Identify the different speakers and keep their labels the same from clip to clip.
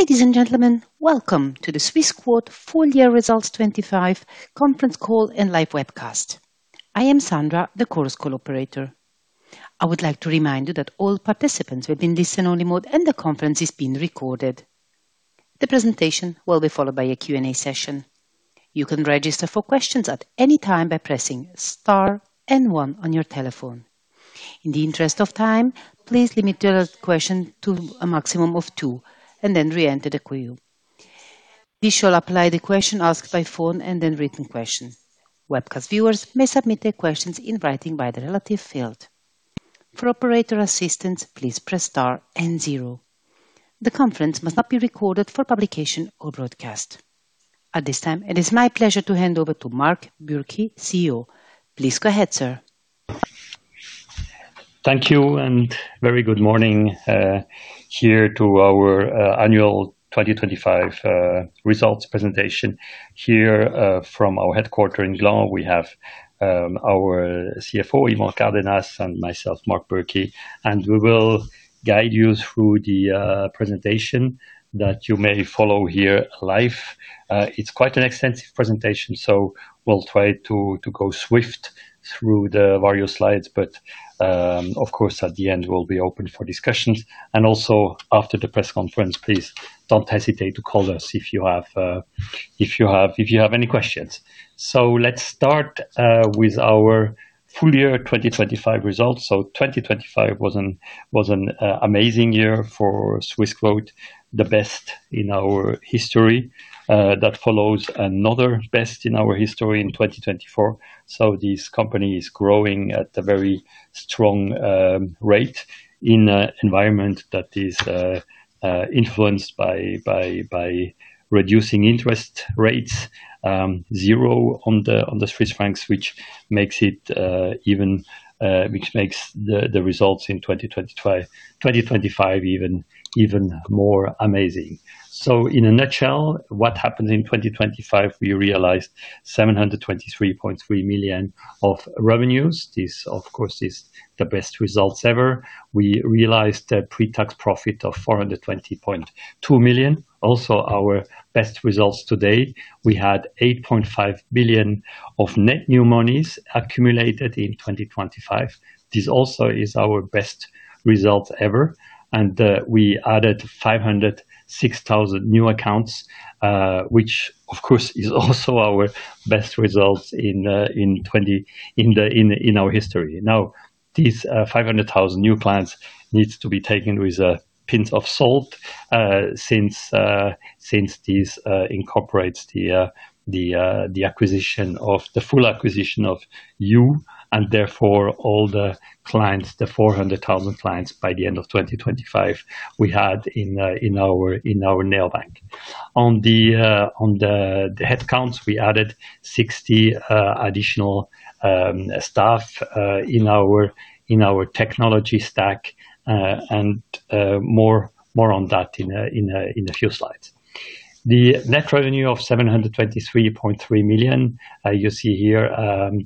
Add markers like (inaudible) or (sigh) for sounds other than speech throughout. Speaker 1: Ladies and gentlemen, welcome to the Swissquote full year results 2025 conference call and live webcast. I am Sandra, the Chorus Call Operator. I would like to remind you that all participants will be in listen only mode and the conference is being recorded. The presentation will be followed by a Q&A session. You can register for questions at any time by pressing star and one on your telephone. In the interest of time, please limit your questions to a maximum of two and then re-enter the queue. This shall apply to questions asked by phone and to written questions. Webcast viewers may submit their questions in writing by the relevant field. For operator assistance, please press star and zero. The conference must not be recorded for publication or broadcast. At this time, it is my pleasure to hand over to Marc Bürki, CEO. Please go ahead, sir.
Speaker 2: Thank you and very good morning here at our annual 2025 results presentation here from our headquarters in Gland. We have our CFO, Yvan Cardenas, and myself, Marc Bürki, and we will guide you through the presentation that you may follow here live. It's quite an extensive presentation, so we'll try to go swiftly through the various slides. Of course, at the end, we'll be open for discussions. Also after the press conference, please don't hesitate to call us if you have any questions. Let's start with our full year 2025 results. 2025 was an amazing year for Swissquote, the best in our history, that follows another best in our history in 2024. This company is growing at a very strong rate in an environment that is influenced by reducing interest rates, zero on the Swiss francs, which makes the results in 2025 even more amazing. In a nutshell, what happened in 2025? We realized 723.3 million of revenues. This, of course, is the best results ever. We realized a pre-tax profit of 420.2 million. Also our best results to date. We had 8.5 billion of net new monies accumulated in 2025. This also is our best result ever. We added 506,000 new accounts, which of course is also our best results in our history. Now, these 500,000 new clients needs to be taken with a pinch of salt, since this incorporates the full acquisition of Yuh and therefore all the clients, the 400,000 clients by the end of 2025 we had in our neobank. On the headcounts, we added 60 additional staff in our technology stack. More on that in a few slides. The net revenue of 723.3 million you see here,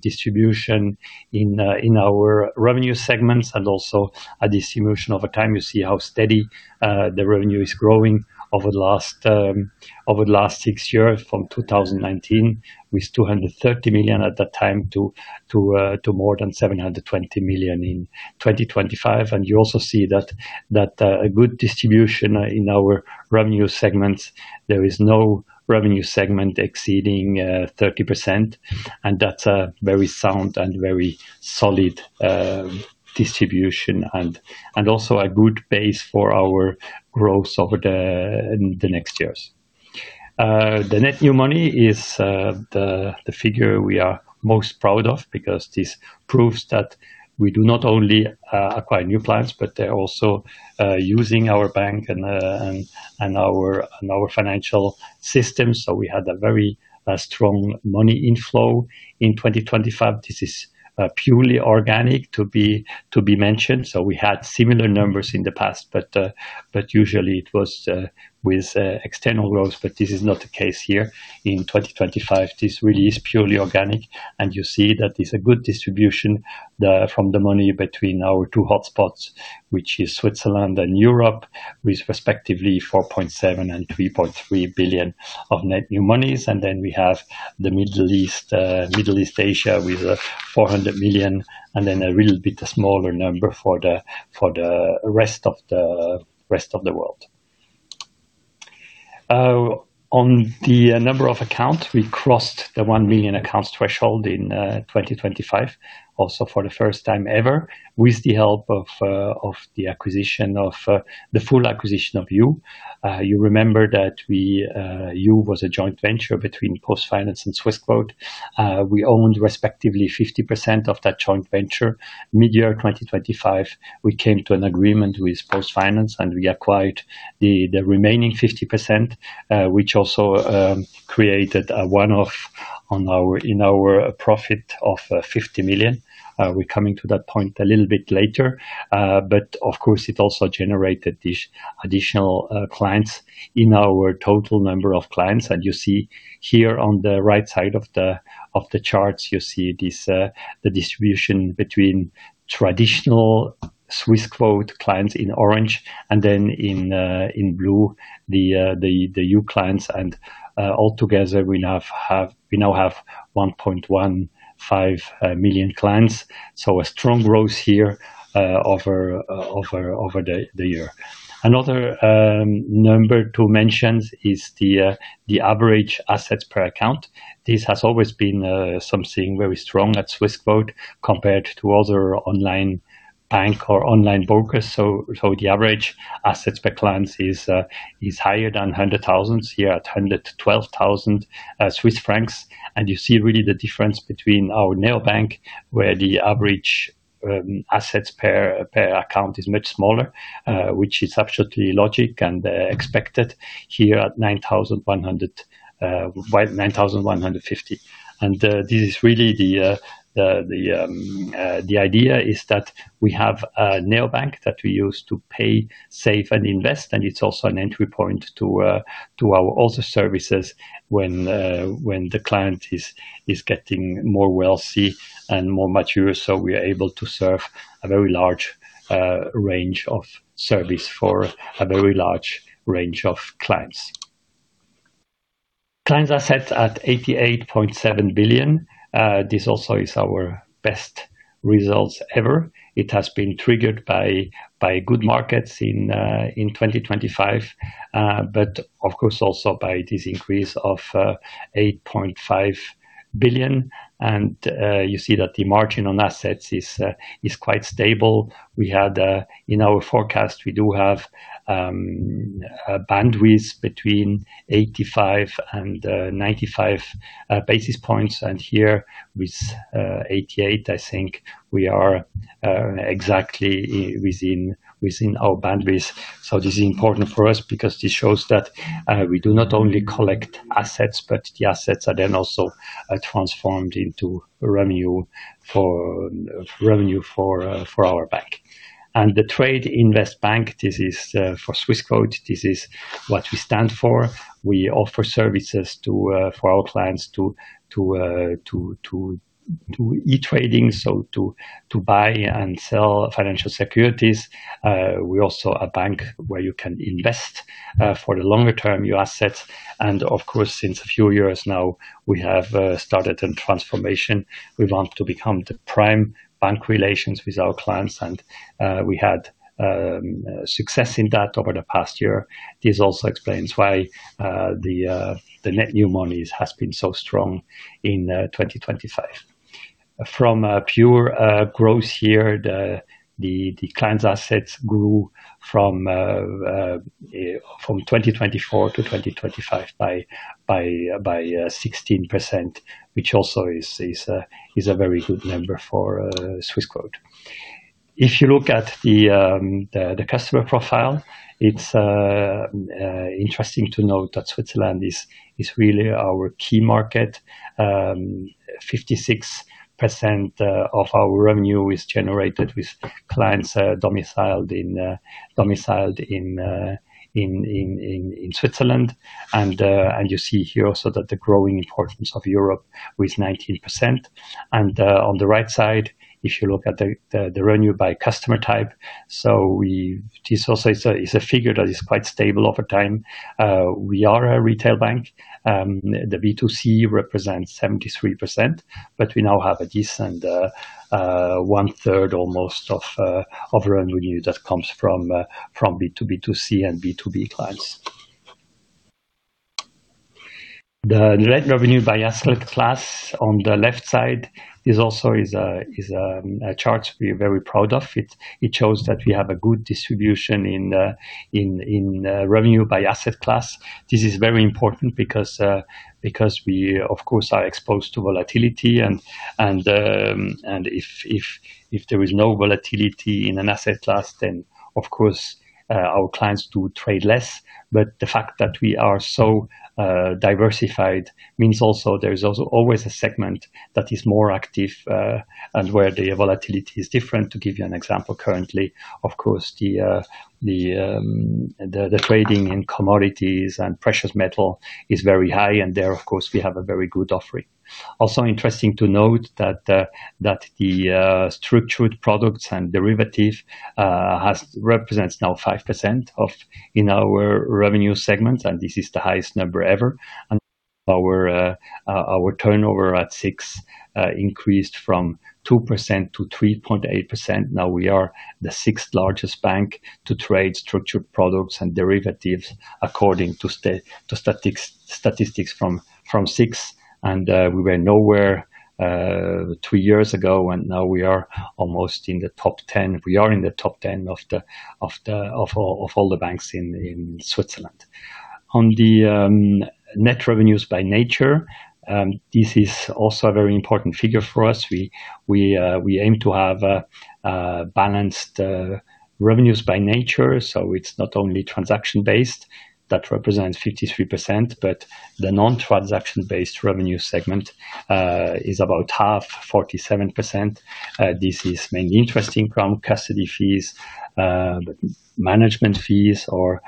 Speaker 2: distribution in our revenue segments and also a distribution over time. You see how steady the revenue is growing over the last six years from 2019 with 230 million at that time to more than 720 million in 2025. You also see a good distribution in our revenue segments. There is no revenue segment exceeding 30%. That's a very sound and very solid distribution and also a good base for our growth over the next years. The net new money is the figure we are most proud of because this proves that we do not only acquire new clients, but they're also using our bank and our financial system. We had a very strong money inflow in 2025. This is purely organic to be mentioned. We had similar numbers in the past, but usually it was with external growth, but this is not the case here in 2025. This really is purely organic, and you see that it's a good distribution, the from the money between our two hotspots, which is Switzerland and Europe, with respectively 4.7 billion and 3.3 billion of net new monies. Then we have the Middle East Asia with 400 million, and then a little bit smaller number for the rest of the world. On the number of accounts, we crossed the 1 million accounts threshold in 2025, also for the first time ever with the help of the full acquisition of Yuh. You remember that Yuh was a joint venture between PostFinance and Swissquote. We owned respectively 50% of that joint venture. Mid-year 2025, we came to an agreement with PostFinance, and we acquired the remaining 50%, which also created a one-off in our profit of 50 million. We're coming to that point a little bit later. But of course, it also generated this additional clients in our total number of clients. You see here on the right side of the charts the distribution between traditional Swissquote clients in orange, and then in blue, the new clients. All together, we now have 1.15 million clients. A strong growth here over the year. Another number to mention is the average assets per account. This has always been something very strong at Swissquote compared to other online bank or online brokers. The average assets per client is higher than 100,000, here at 112,000 Swiss francs. You see really the difference between our neobank, where the average assets per account is much smaller, which is absolutely logical and expected here at 9,150. This is really the idea is that we have a neobank that we use to pay, save, and invest, and it's also an entry point to our other services when the client is getting more wealthy and more mature. We are able to serve a very large range of service for a very large range of clients. Client assets are at 88.7 billion. This also is our best results ever. It has been triggered by good markets in 2025, but of course also by this increase of 8.5 billion. You see that the margin on assets is quite stable. We had in our forecast, we do have boundaries between 85 basis points and 95 basis points. Here with 88, I think we are exactly within our boundaries. This is important for us because this shows that we do not only collect assets, but the assets are then also transformed into revenue for our bank. The trade invest bank, this is for Swissquote, this is what we stand for. We offer services for our clients to e-trading, so to buy and sell financial securities. We're also a bank where you can invest for the longer term your assets. Of course, since a few years now, we have started a transformation. We want to become the prime bank relations with our clients. We had success in that over the past year. This also explains why, the net new monies has been so strong in 2025. From a pure growth here, the clients assets grew from 2024 to 2025 by 16%, which also is a very good number for Swissquote. If you look at the customer profile, it's interesting to note that Switzerland is really our key market. 56% of our revenue is generated with clients domiciled in Switzerland. You see here also that the growing importance of Europe with 19%. On the right side, if you look at the revenue by customer type. This also is a figure that is quite stable over time. We are a retail bank. The B2C represents 73%, but we now have a decent almost 1/3 of revenue that comes from B2B2C and B2B clients. The net revenue by asset class on the left side is a chart we're very proud of. It shows that we have a good distribution in revenue by asset class. This is very important because we of course are exposed to volatility and if there is no volatility in an asset class, then of course our clients do trade less. The fact that we are so diversified means also there is also always a segment that is more active and where the volatility is different. To give you an example, currently, of course, the trading in commodities and precious metal is very high, and there, of course, we have a very good offering. Also interesting to note that the Structured Products and derivatives represents now 5% of our revenue segment, and this is the highest number ever. Our turnover at SIX increased from 2% to 3.8%. Now we are the sixth-largest bank to trade Structured Products and derivatives, according to statistics from SIX. We were nowhere two years ago, and now we are almost in the top 10. We are in the top 10 of all the banks in Switzerland. On the net revenues by nature, this is also a very important figure for us. We aim to have balanced revenues by nature, so it's not only transaction-based that represents 53%, but the non-transaction-based revenue segment is about half, 47%. This is mainly interest from Custody Fees, management fees or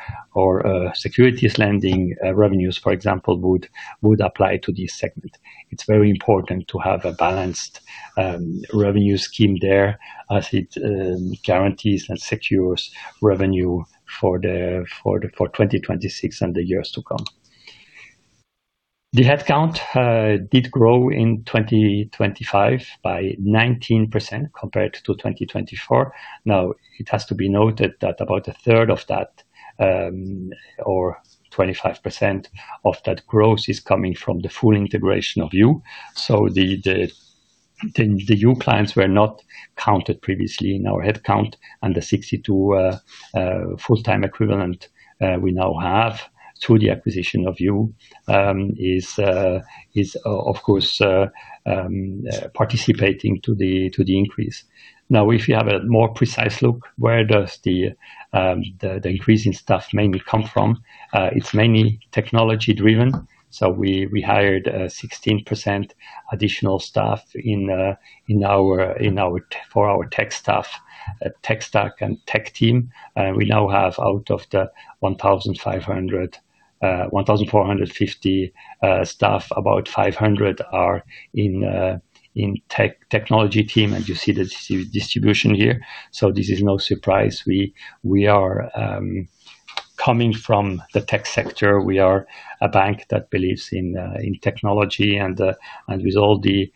Speaker 2: Securities Lending revenues, for example, would apply to this segment. It's very important to have a balanced revenue stream there as it guarantees and secures revenue for 2026 and the years to come. The headcount did grow in 2025 by 19% compared to 2024. Now, it has to be noted that about 1/3 of that, or 25% of that growth is coming from the full integration of Yuh. So the Yuh clients were not counted previously in our headcount and the 62 full-time equivalent we now have through the acquisition of Yuh is of course participating to the increase. Now, if you have a more precise look, where does the increase in staff mainly come from? It's mainly technology-driven. So we hired 16% additional staff for our tech staff, tech stack and tech team. We now have out of the 1,500 staff, 1,450 staff, about 500 staff are in the technology team, and you see the distribution here. This is no surprise. We are coming from the tech sector. We are a bank that believes in technology and with all the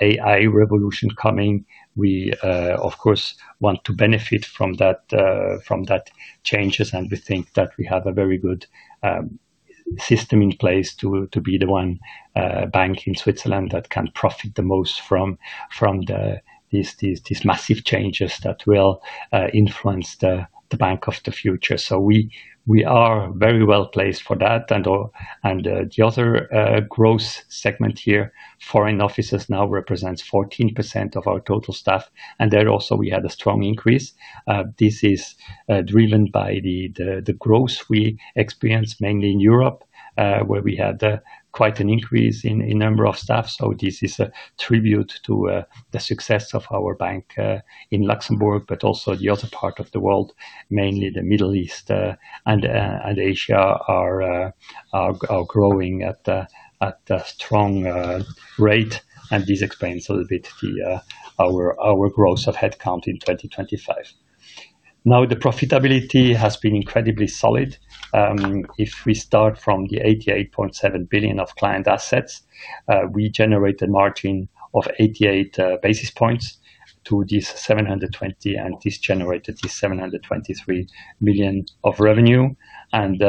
Speaker 2: AI revolution coming, we of course want to benefit from that changes, and we think that we have a very good system in place to be the one bank in Switzerland that can profit the most from these massive changes that will influence the bank of the future. We are very well placed for that. The other growth segment here, foreign offices, now represents 14% of our total staff. There also we had a strong increase. This is driven by the growth we experienced mainly in Europe, where we had quite an increase in number of staff. This is a tribute to the success of our bank in Luxembourg, but also the other part of the world, mainly the Middle East and Asia, are growing at a strong rate. This explains a little bit our growth of headcount in 2025. Now, the profitability has been incredibly solid. If we start from the 88.7 billion of client assets, we generate a margin of 88 basis points to this 720, and this generated the 723 million of revenue. Out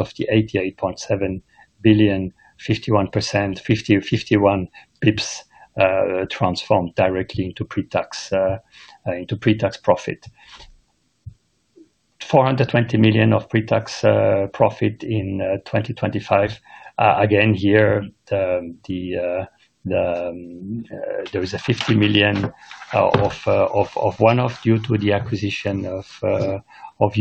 Speaker 2: of the 88.7 billion, 51%, 50 basis points or 51 basis points, transformed directly into pre-tax profit. 420 million of pre-tax profit in 2025. Again, here, there is a 50 million of one-off due to the acquisition of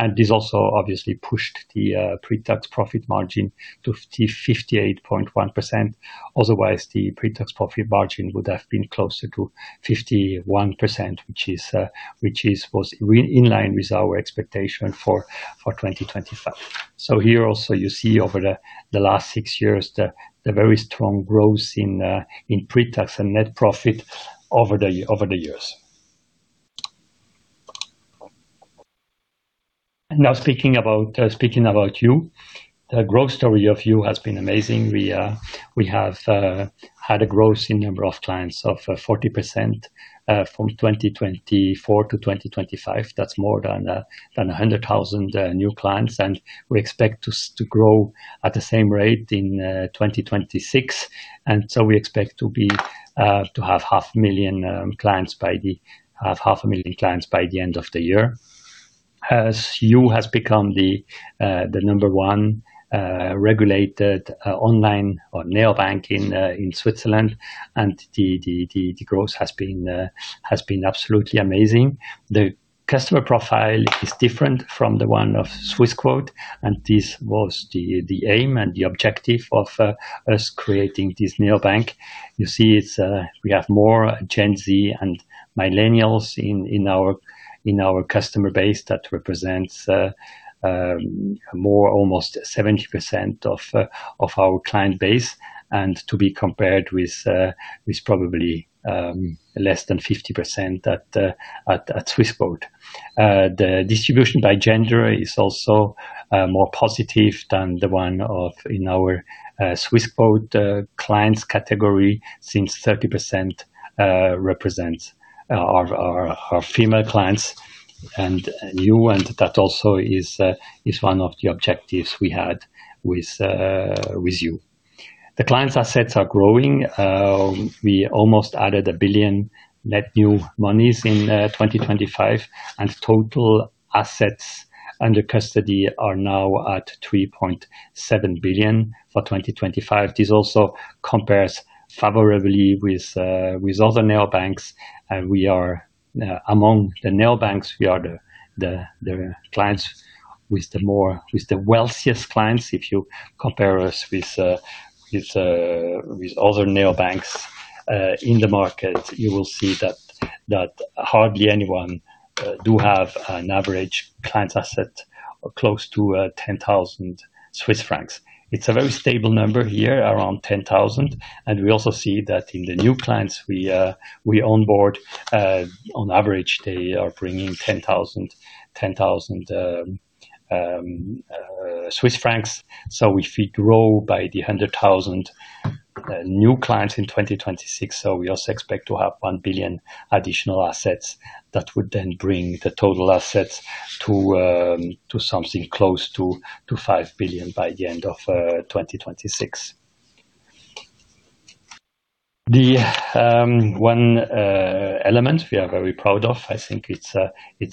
Speaker 2: Yuh. This also obviously pushed the pre-tax profit margin to 58.1%. Otherwise, the pre-tax profit margin would have been closer to 51%, which was in line with our expectation for 2025. Here also, you see over the last six years the very strong growth in pre-tax and net profit over the years. Now speaking about Yuh. The growth story of Yuh has been amazing. We have had a growth in number of clients of 40% from 2024 to 2025. That's more than 100,000 new clients. We expect to grow at the same rate in 2026. We expect to have 500,000 clients by the end of the year. As Yuh has become the number one regulated online or neobank in Switzerland, and the growth has been absolutely amazing. The customer profile is different from the one of Swissquote, and this was the aim and the objective of us creating this neobank. You see it's we have more Gen Z and millennials in our customer base. That represents more almost 70% of our client base, and to be compared with probably less than 50% at Swissquote. The distribution by gender is also more positive than the one of our Swissquote clients category, since 30% represents our female clients and Yuh, and that also is one of the objectives we had with Yuh. The clients assets are growing. We almost added 1 billion net new monies in 2025, and total assets under custody are now at 3.7 billion for 2025. This also compares favorably with other neobanks. We are among the neobanks, we are the clients with the wealthiest clients. If you compare us with other neobanks in the market, you will see that hardly anyone has an average client asset close to 10,000 Swiss francs. It's a very stable number here, around 10,000, and we also see that in the new clients we onboard, on average, they are bringing 10,000. If we grow by 100,000 new clients in 2026, we also expect to have 1 billion additional assets that would then bring the total assets to something close to 5 billion by the end of 2026. The one element we are very proud of, I think it's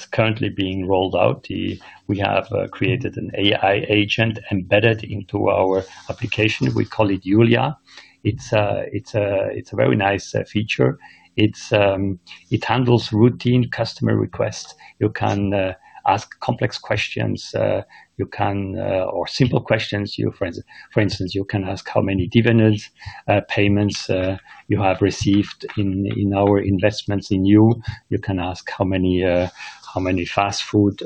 Speaker 2: currently being rolled out. We have created an AI agent embedded into our application. We call it Yuhlia. It's a very nice feature. It handles routine customer requests. You can ask complex questions. Or simple questions. You, for instance, can ask how many dividend payments you have received in our investments in Yuh. You can ask how many fast food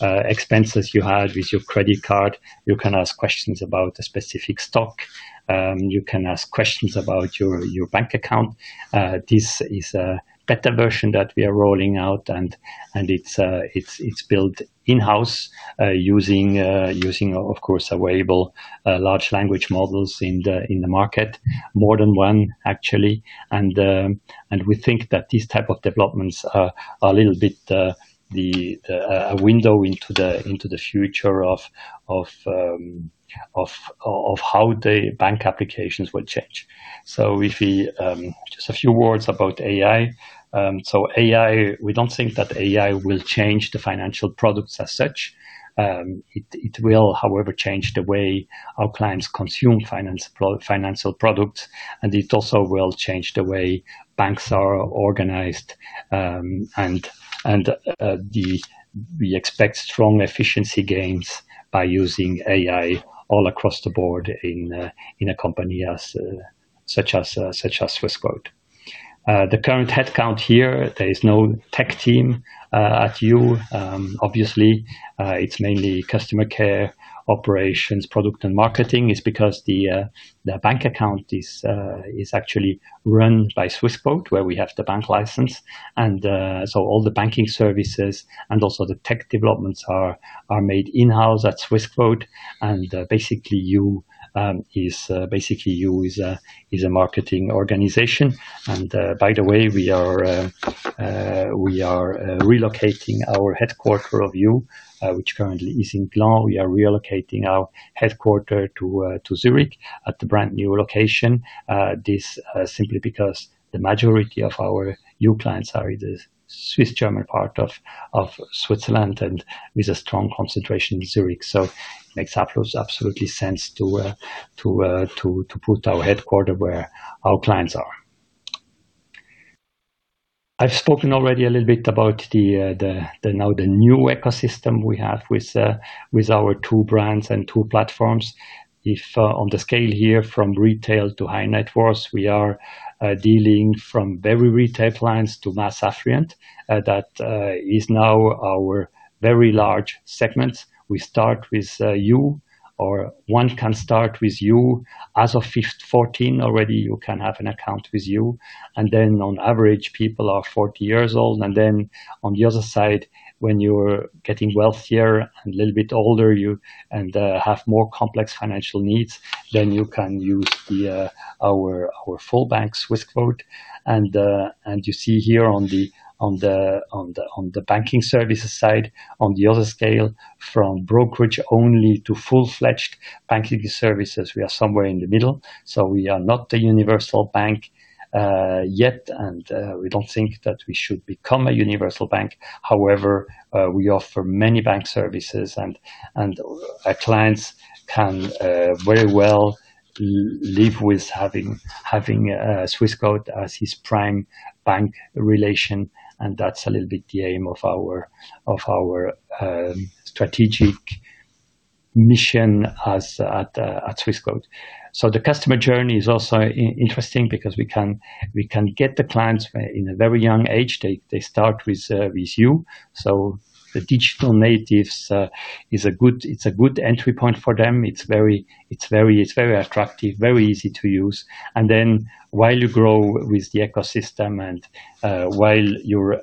Speaker 2: expenses you had with your credit card. You can ask questions about a specific stock. You can ask questions about your bank account. This is a better version that we are rolling out, and it's built in-house, using of course available large language models in the market, more than one actually. We think that these type of developments are a little bit a window into the future of how the bank applications will change. Just a few words about AI. AI, we don't think that AI will change the financial products as such. It will, however, change the way our clients consume financial products, and it also will change the way banks are organized. We expect strong efficiency gains by using AI all across the board in a company such as Swissquote. The current headcount here, there is no tech team at Yuh. Obviously, it's mainly customer care, operations, product and marketing. It's because the bank account is actually run by Swissquote, where we have the bank license. All the banking services and also the tech developments are made in-house at Swissquote. Basically Yuh is a marketing organization. By the way, we are relocating our headquarters of Yuh, which currently is in Gland. We are relocating our headquarters to Zurich at a brand-new location. This simply because the majority of our Yuh clients are in the Swiss-German part of Switzerland, and with a strong concentration in Zurich. It makes absolutely sense to put our headquarters where our clients are. I've spoken already a little bit about the new ecosystem we have with our two brands and two platforms. If on the scale here from retail to high net worth, we are dealing from very retail clients to mass affluent, that is now our very large segment. We start with Yuh, or one can start with Yuh. As of 14 year-old already, you can have an account with Yuh. On average, people are 40 years old. On the other side, when you're getting wealthier and a little bit older, and have more complex financial needs, then you can use our full bank Swissquote. You see here on the banking services side, on the other scale, from brokerage only to full-fledged banking services, we are somewhere in the middle. We are not a universal bank yet, and we don't think that we should become a universal bank. However, we offer many bank services and our clients can very well live with having Swissquote as his prime bank relation, and that's a little bit the aim of our strategic mission at Swissquote. The customer journey is also interesting because we can get the clients in a very young age. They start with Yuh. The digital natives, it's a good entry point for them. It's very attractive, very easy to use. While you grow with the ecosystem and while your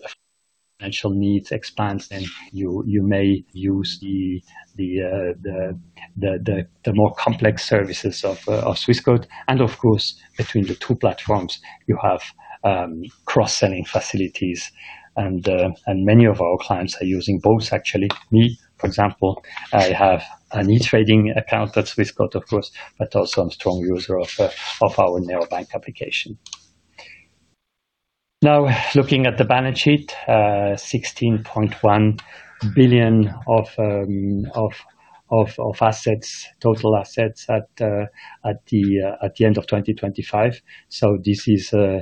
Speaker 2: financial needs expands, you may use the more complex services of Swissquote. Of course, between the two platforms, you have cross-selling facilities. Many of our clients are using both actually. Me, for example, I have an e-trading account at Swissquote, of course, but also I'm strong user of our neobank application. Now, looking at the balance sheet, 16.1 billion of assets, total assets at the end of 2025. This is a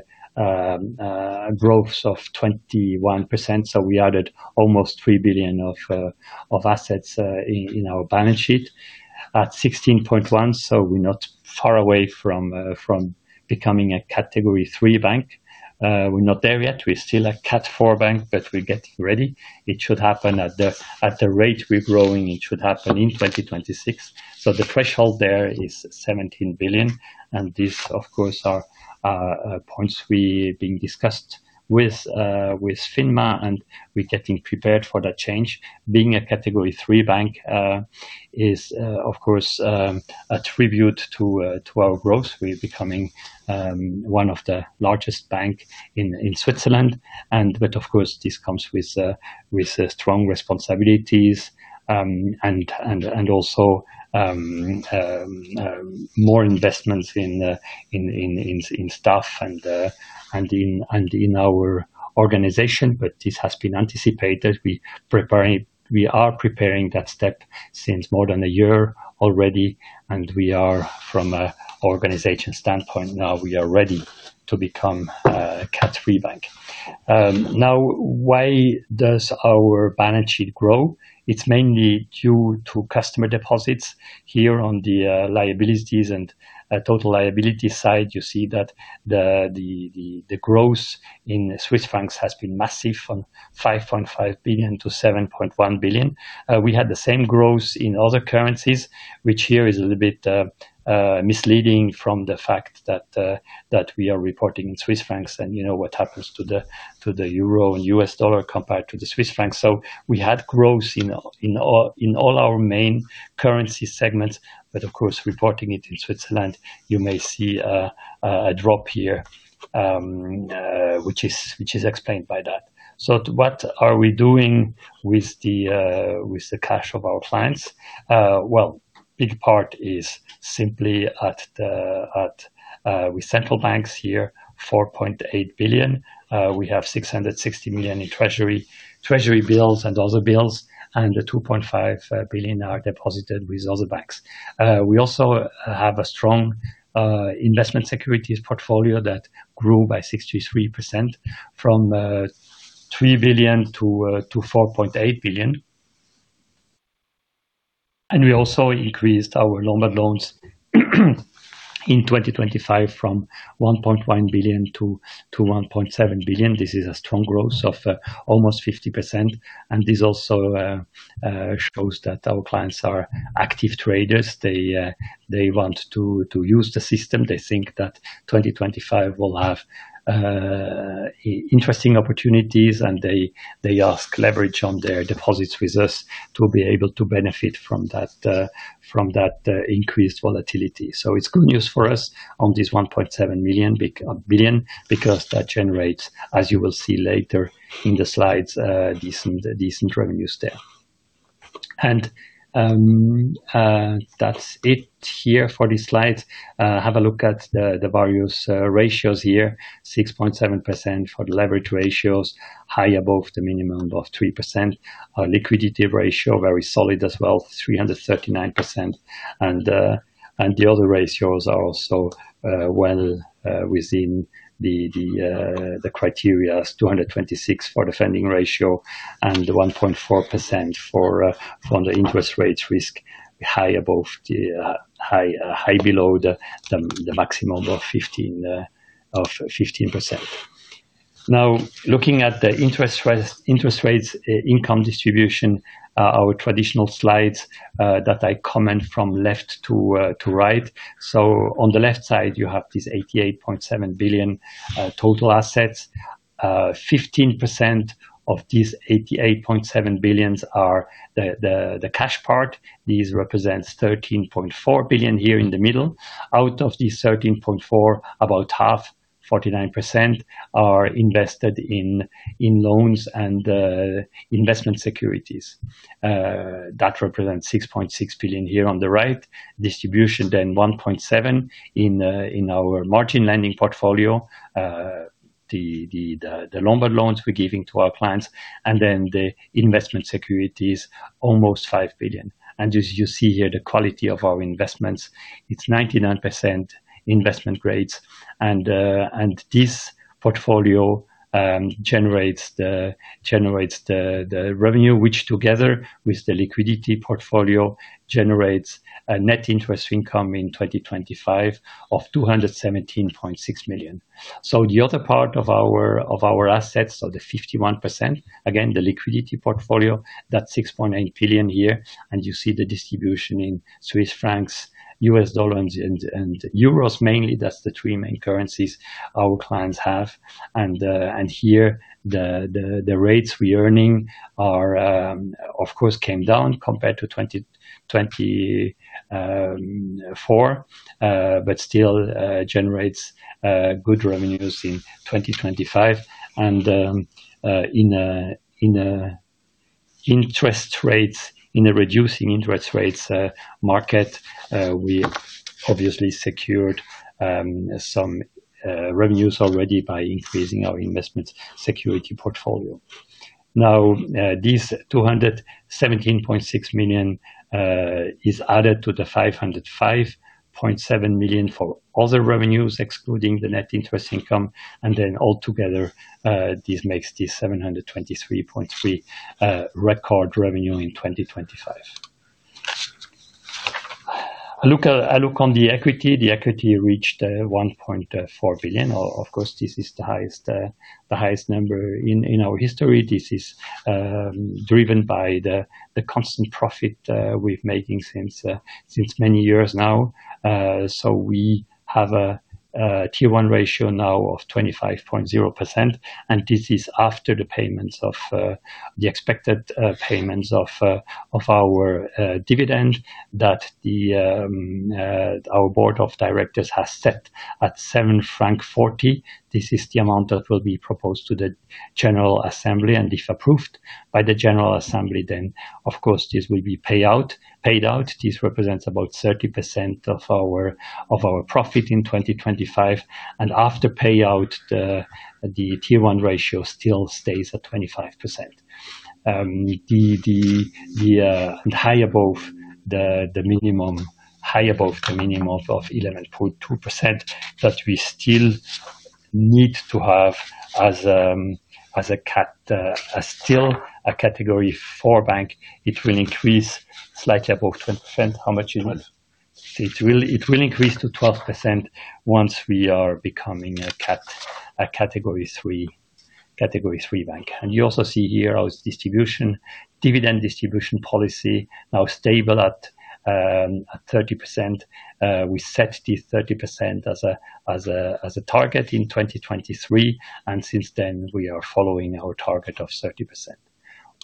Speaker 2: growth of 21%. We added almost 3 billion of assets in our balance sheet at 16.1. We're not far away from becoming a category 3 bank. We're not there yet. We're still a category 4 bank, but we're getting ready. It should happen at the rate we're growing, it should happen in 2026. The threshold there is 17 billion. These of course are points we've been discussed with with FINMA, and we're getting prepared for that change. Being a category 3 bank is of course a tribute to our growth. We're becoming one of the largest bank in Switzerland. But of course, this comes with strong responsibilities and also more investments in staff and in our organization. This has been anticipated. We are preparing that step since more than a year already, and we are from a organization standpoint now, we are ready to become a cat 3 bank. Now why does our balance sheet grow? It's mainly due to customer deposits. Here on the liabilities and total liability side, you see that the growth in Swiss francs has been massive, from 5.5 billion to 7.1 billion. We had the same growth in other currencies, which here is a little bit misleading from the fact that we are reporting in Swiss francs, and you know what happens to the euro and U.S. dollar compared to the Swiss franc. We had growth in all our main currency segments, but of course, reporting it in Switzerland, you may see a drop here, which is explained by that. What are we doing with the cash of our clients? Well, a big part is simply deposits with central banks here, 4.8 billion. We have 660 million in treasury bills and other bills, and the 2.5 billion are deposited with other banks. We also have a strong investment securities portfolio that grew by 63% from 3 billion to 4.8 billion. We also increased our Lombard loans in 2025 from 1.1 billion to 1.7 billion. This is a strong growth of almost 50%. This also shows that our clients are active traders. They want to use the system. They think that 2025 will have interesting opportunities, and they ask leverage on their deposits with us to be able to benefit from that increased volatility. It's good news for us on this 1.7 billion, because that generates, as you will see later in the slides, decent revenues there. That's it here for these slides. Have a look at the various ratios here. 6.7% for the leverage ratios, high above the minimum of 3%. Our liquidity ratio, very solid as well, 339%. The other ratios are also well within the criteria, 226% for the funding ratio and 1.4% for the interest rate risk, well above the minimum and well below the maximum of 15%. Looking at the net interest income distribution, our traditional slides that I comment from left to right. On the left side, you have this 88.7 billion total assets. 15% of these 88.7 billion are the cash part. This represents 13.4 billion here in the middle. Out of these 13.4 billion, about half, 49% are invested in loans and investment securities. That represents 6.6 billion here on the right. Distribution then 1.7 billion in our margin lending portfolio. The Lombard loans we're giving to our clients and then the investment securities, almost 5 billion. As you see here, the quality of our investments, it's 99% investment grade. This portfolio generates the revenue, which together with the liquidity portfolio, generates a net interest income in 2025 of 217.6 million. The other part of our assets are the 51%. Again, the liquidity portfolio, that's 6.8 billion here. You see the distribution in Swiss francs, U.S. dollars and euros mainly, that's the three main currencies our clients have. Here, the rates we're earning are, of course, came down compared to 2024, but still, generates good revenues in 2025. In a reducing interest rates market, we obviously secured some revenues already by increasing our investment security portfolio. Now, these 217.6 million is added to the 505.7 million for other revenues, excluding the net interest income. Altogether, this makes 723.3 million record revenue in 2025. A look on the equity. The equity reached 1.4 billion. Of course, this is the highest number in our history. This is driven by the constant profit we're making since many years now. We have a Tier 1 ratio now of 25.0%, and this is after the payment of the expected dividend that our board of directors has set at 7.40 francs. This is the amount that will be proposed to the General Assembly. If approved by the General Assembly, then of course, this will be paid out. This represents about 30% of our profit in 2025. After payout, the Tier 1 ratio still stays at 25%, high above the minimum. High above the minimum of 11.2% that we still need to have as a category 4 bank, it will increase slightly above 10%. How much it was? It will increase to 12% once we are becoming a category 3 bank. You also see here our distribution, dividend distribution policy now stable at 30%. We set this 30% as a target in 2023, and since then, we are following our target of 30%.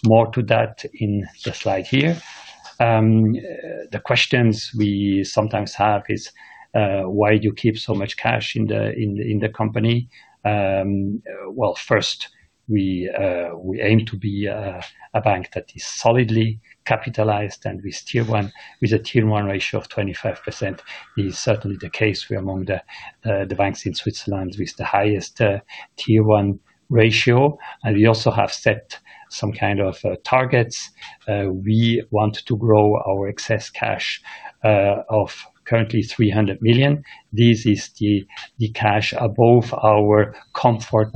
Speaker 2: More to that in the slide here. The questions we sometimes have is why you keep so much cash in the company? Well, first, we aim to be a bank that is solidly capitalized, and with Tier 1, with a Tier 1 ratio of 25% is certainly the case. We are among the banks in Switzerland with the highest Tier 1 ratio. We also have set some kind of targets. We want to grow our excess cash of currently 300 million. This is the cash above our comfort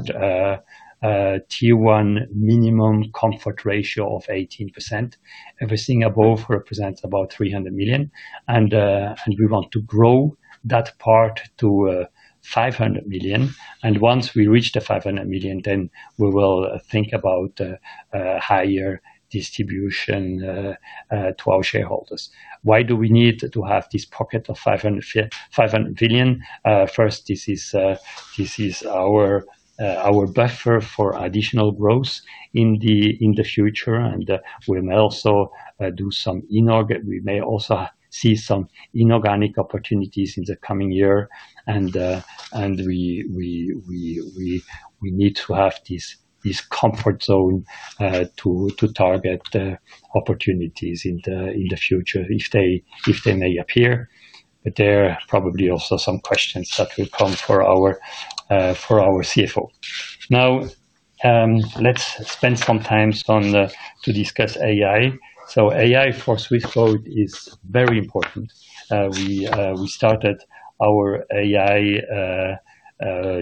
Speaker 2: Tier 1 minimum comfort ratio of 18%. Everything above represents about 300 million. We want to grow that part to 500 million. Once we reach the 500 million, then we will think about a higher distribution to our shareholders. Why do we need to have this pocket of 500 million? First, this is our buffer for additional growth in the future. We may also see some inorganic opportunities in the coming year. We need to have this comfort zone to target opportunities in the future if they may appear. There are probably also some questions that will come for our CFO. Now, let's spend some time to discuss AI. AI for Swissquote is very important. We started our AI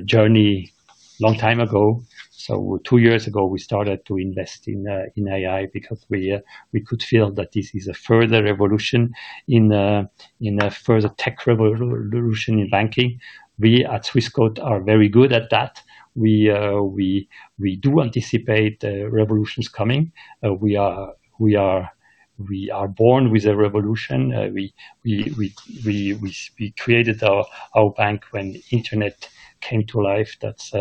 Speaker 2: journey long time ago. Two years ago, we started to invest in AI because we could feel that this is a further evolution in a further tech revolution in banking. We at Swissquote are very good at that. We do anticipate revolutions coming. We are born with a revolution. We created our bank when internet came to life. That's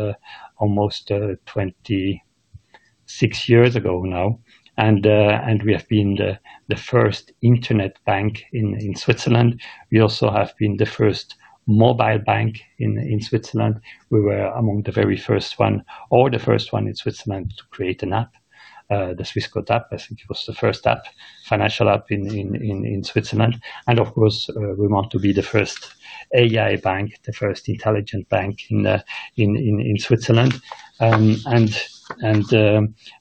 Speaker 2: almost 26 years ago now. We have been the first internet bank in Switzerland. We also have been the first mobile bank in Switzerland. We were among the very first one or the first one in Switzerland to create an app. The Swissquote app, I think it was the first financial app in Switzerland. Of course, we want to be the first AI bank, the first intelligent bank in Switzerland. I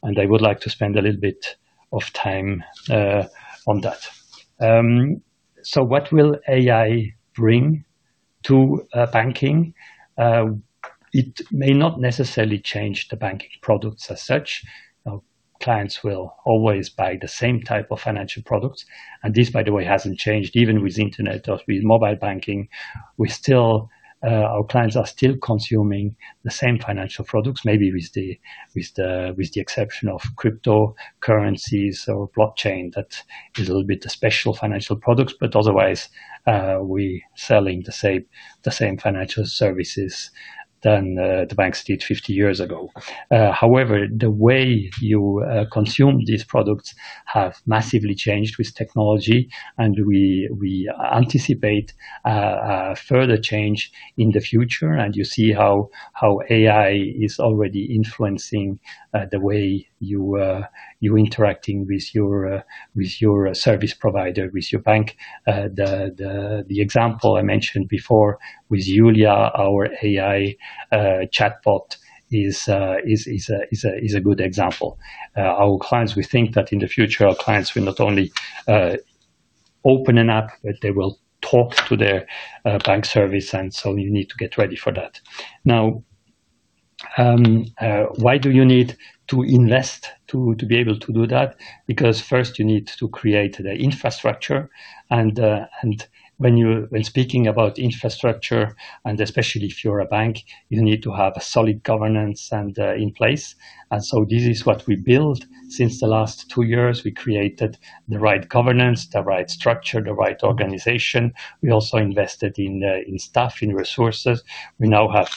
Speaker 2: would like to spend a little bit of time on that. What will AI bring to banking? It may not necessarily change the banking products as such. Clients will always buy the same type of financial products. This, by the way, hasn't changed even with internet or with mobile banking. Our clients are still consuming the same financial products, maybe with the exception of cryptocurrencies or blockchain, that is a little bit special financial products, but otherwise, we are selling the same financial services as the banks did 50 years ago. However, the way you consume these products have massively changed with technology, and we anticipate further change in the future. You see how AI is already influencing the way you're interacting with your service provider, with your bank. The example I mentioned before with Yuhlia, our AI chatbot is a good example. Our clients, we think that in the future, our clients will not only open an app, but they will talk to their bank service, and so you need to get ready for that. Now, why do you need to invest to be able to do that? Because first you need to create the infrastructure and when speaking about infrastructure, and especially if you're a bank, you need to have a solid governance and in place. This is what we built since the last two years. We created the right governance, the right structure, the right organization. We also invested in staff, in resources. We now have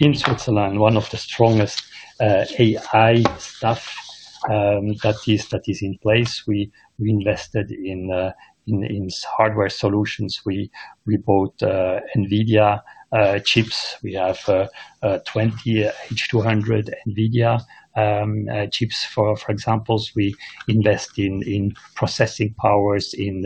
Speaker 2: in Switzerland one of the strongest AI staff that is in place. We invested in hardware solutions. We bought NVIDIA chips. We have 20 H200 NVIDIA chips. For example, we invest in processing powers, in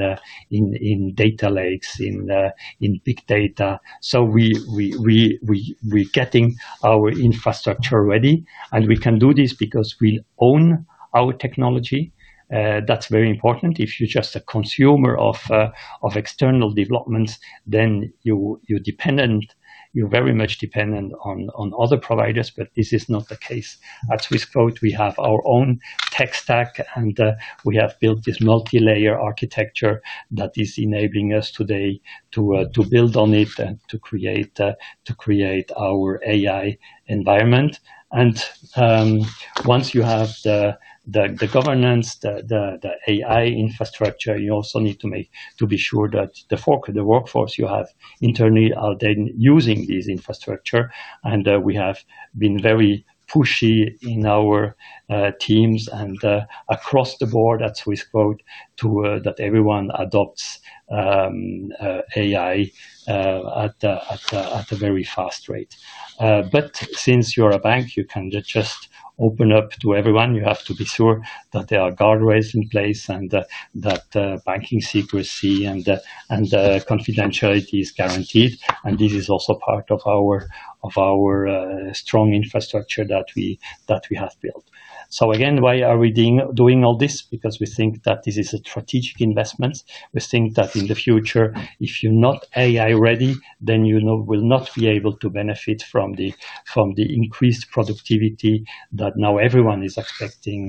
Speaker 2: data lakes, in big data. We getting our infrastructure ready, and we can do this because we own our technology. That's very important. If you're just a consumer of external developments, then you're very much dependent on other providers, but this is not the case. At Swissquote, we have our own tech stack, and we have built this multi-layer architecture that is enabling us today to build on it and to create our AI environment. Once you have the governance, the AI infrastructure, you also need to be sure that the workforce you have internally are then using this infrastructure. We have been very pushy in our teams and across the board at Swissquote to that everyone adopts AI at a very fast rate. Since you're a bank, you can't just open up to everyone. You have to be sure that there are guardrails in place and that banking secrecy and confidentiality is guaranteed. This is also part of our strong infrastructure that we have built. Again, why are we doing all this? Because we think that this is a strategic investment. We think that in the future, if you're not AI-ready, then you know will not be able to benefit from the increased productivity that now everyone is expecting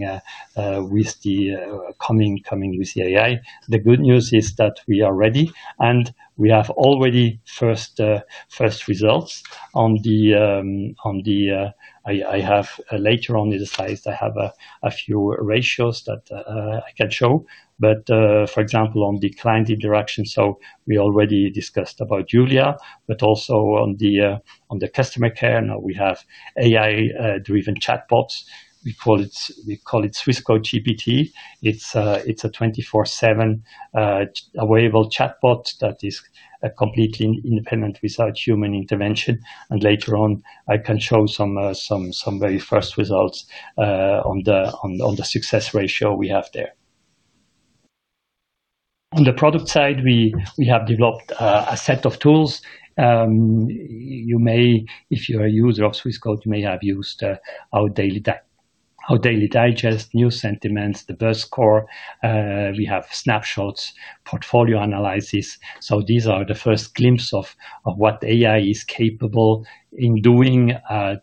Speaker 2: with the coming with the AI. The good news is that we are ready, and we have already first results on the, I have later on in the slides, I have a few ratios that I can show. For example, on the client interaction, we already discussed about Yuhlia, but also on the customer care. Now we have AI driven chatbots. We call it Swissquote GPT. It's a 24/7 available chatbot that is completely independent without human intervention. Later on, I can show some very first results on the success ratio we have there. On the product side, we have developed a set of tools. You may, if you're a user of Swissquote, you may have used our Daily Digest, News Sentiment, Buzz Score. We have Snapshot, portfolio analysis. These are the first glimpse of what AI is capable of doing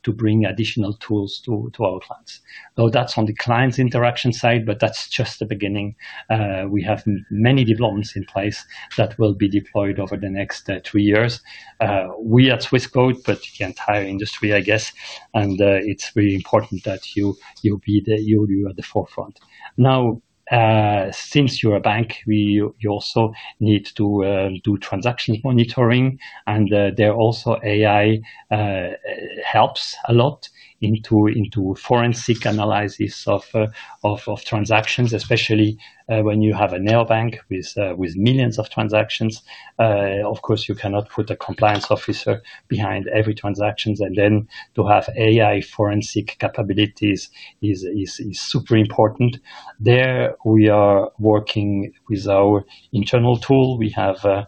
Speaker 2: to bring additional tools to our clients. That's on the clients interaction side, but that's just the beginning. We have many developments in place that will be deployed over the next three years. We at Swissquote, but the entire industry, I guess, and it's really important that you are at the forefront. Now, since you're a bank, you also need to do transaction monitoring, and there also AI helps a lot into forensic analysis of transactions, especially when you have a neobank with millions of transactions. Of course, you cannot put a compliance officer behind every transactions. Then to have AI forensic capabilities is super important. There we are working with our internal tool. We have a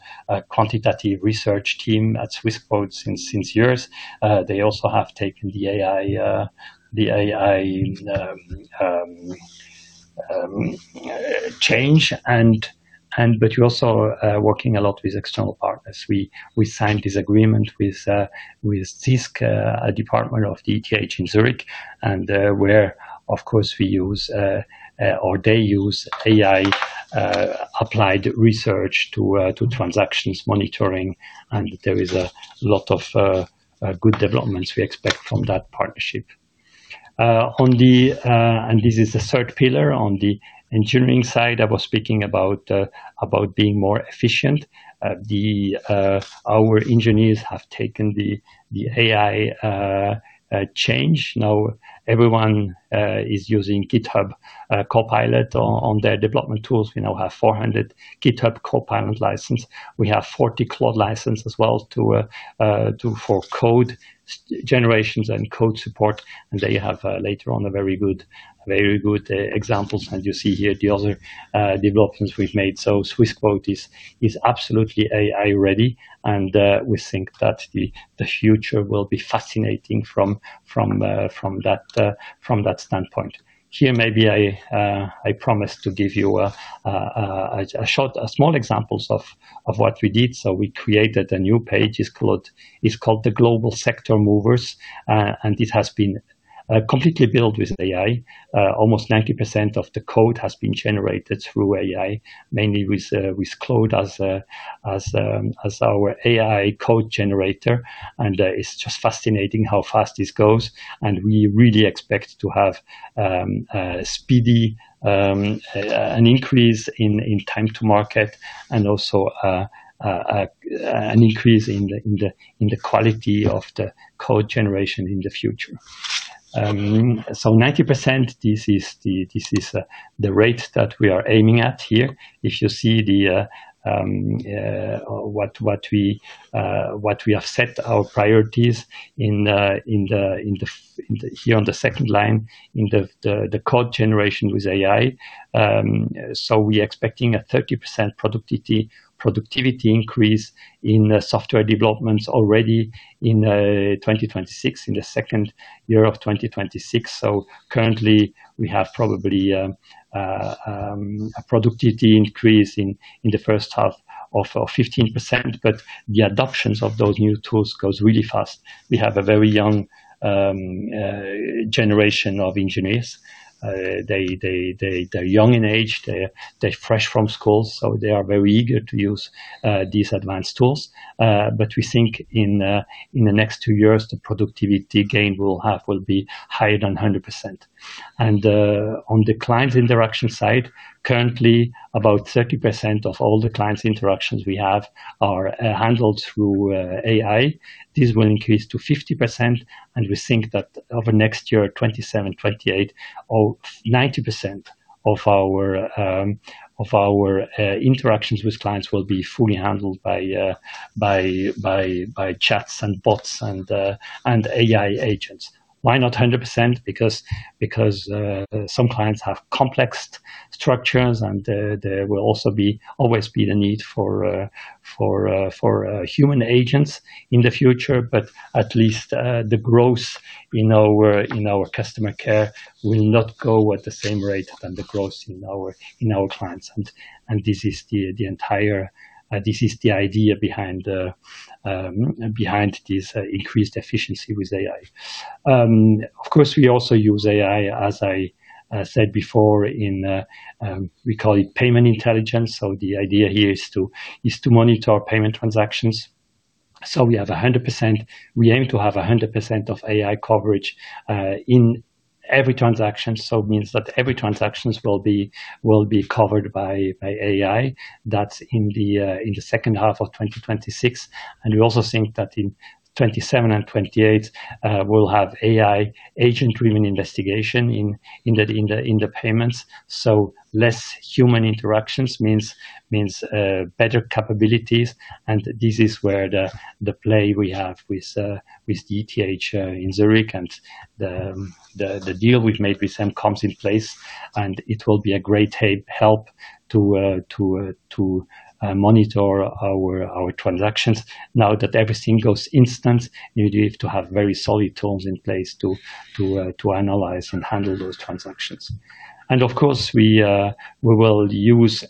Speaker 2: quantitative research team at Swissquote since years. They also have taken the AI change and but we're also working a lot with external partners. We signed this agreement with ZISC, a department of ETH in Zurich, and where of course we use or they use AI applied research to transaction monitoring, and there is a lot of good developments we expect from that partnership. This is the third pillar. On the engineering side, I was speaking about being more efficient. Our engineers have taken the AI change. Now everyone is using GitHub Copilot on their development tools. We now have 400 GitHub Copilot license. We have 40 Claude license as well for code generations and code support. There you have later on a very good examples, and you see here the other developments we've made. Swissquote is absolutely AI ready, and we think that the future will be fascinating from that standpoint. Here, maybe I promise to give you a short, small examples of what we did. We created a new page. It's called the Global Sector Movers, and it has been completely built with AI. Almost 90% of the code has been generated through AI, mainly with Claude as our AI code generator. It's just fascinating how fast this goes, and we really expect to have a speedy increase in time to market and also an increase in the quality of the code generation in the future. 90%, this is the rate that we are aiming at here. If you see what we have set our priorities in the here on the second line in the code generation with AI. We're expecting a 30% productivity increase in software developments already in 2026, in the second year of 2026. Currently we have probably a productivity increase in the first half of 15%, but the adoptions of those new tools goes really fast. We have a very young generation of engineers. They're young in age, they're fresh from school, so they are very eager to use these advanced tools. We think in the next two years, the productivity gain we'll have will be higher than 100%. On the client interaction side, currently about 30% of all the clients interactions we have are handled through AI. This will increase to 50%, and we think that over next year, 2027, 2028, 90% of our interactions with clients will be fully handled by chats and bots and AI agents. Why not 100%? Because some clients have complex structures, and there will always be the need for human agents in the future. The growth in our customer care will not go at the same rate than the growth in our clients. This is the entire idea behind increased efficiency with AI. Of course, we also use AI, as I said before, we call it payment intelligence. The idea here is to monitor our payment transactions. We aim to have 100% of AI coverage in every transaction, so it means that every transaction will be covered by AI. That's in the second half of 2026. We also think that in 2027 and 2028, we'll have AI agent-driven investigation in the payments. Less human interactions means better capabilities. This is where the play we have with ETH Zurich and the deal which may be sent comes in place, and it will be a great help to monitor our transactions. Now that everything goes instant, you need to have very solid tools in place to analyze and handle those transactions. Of course, we will use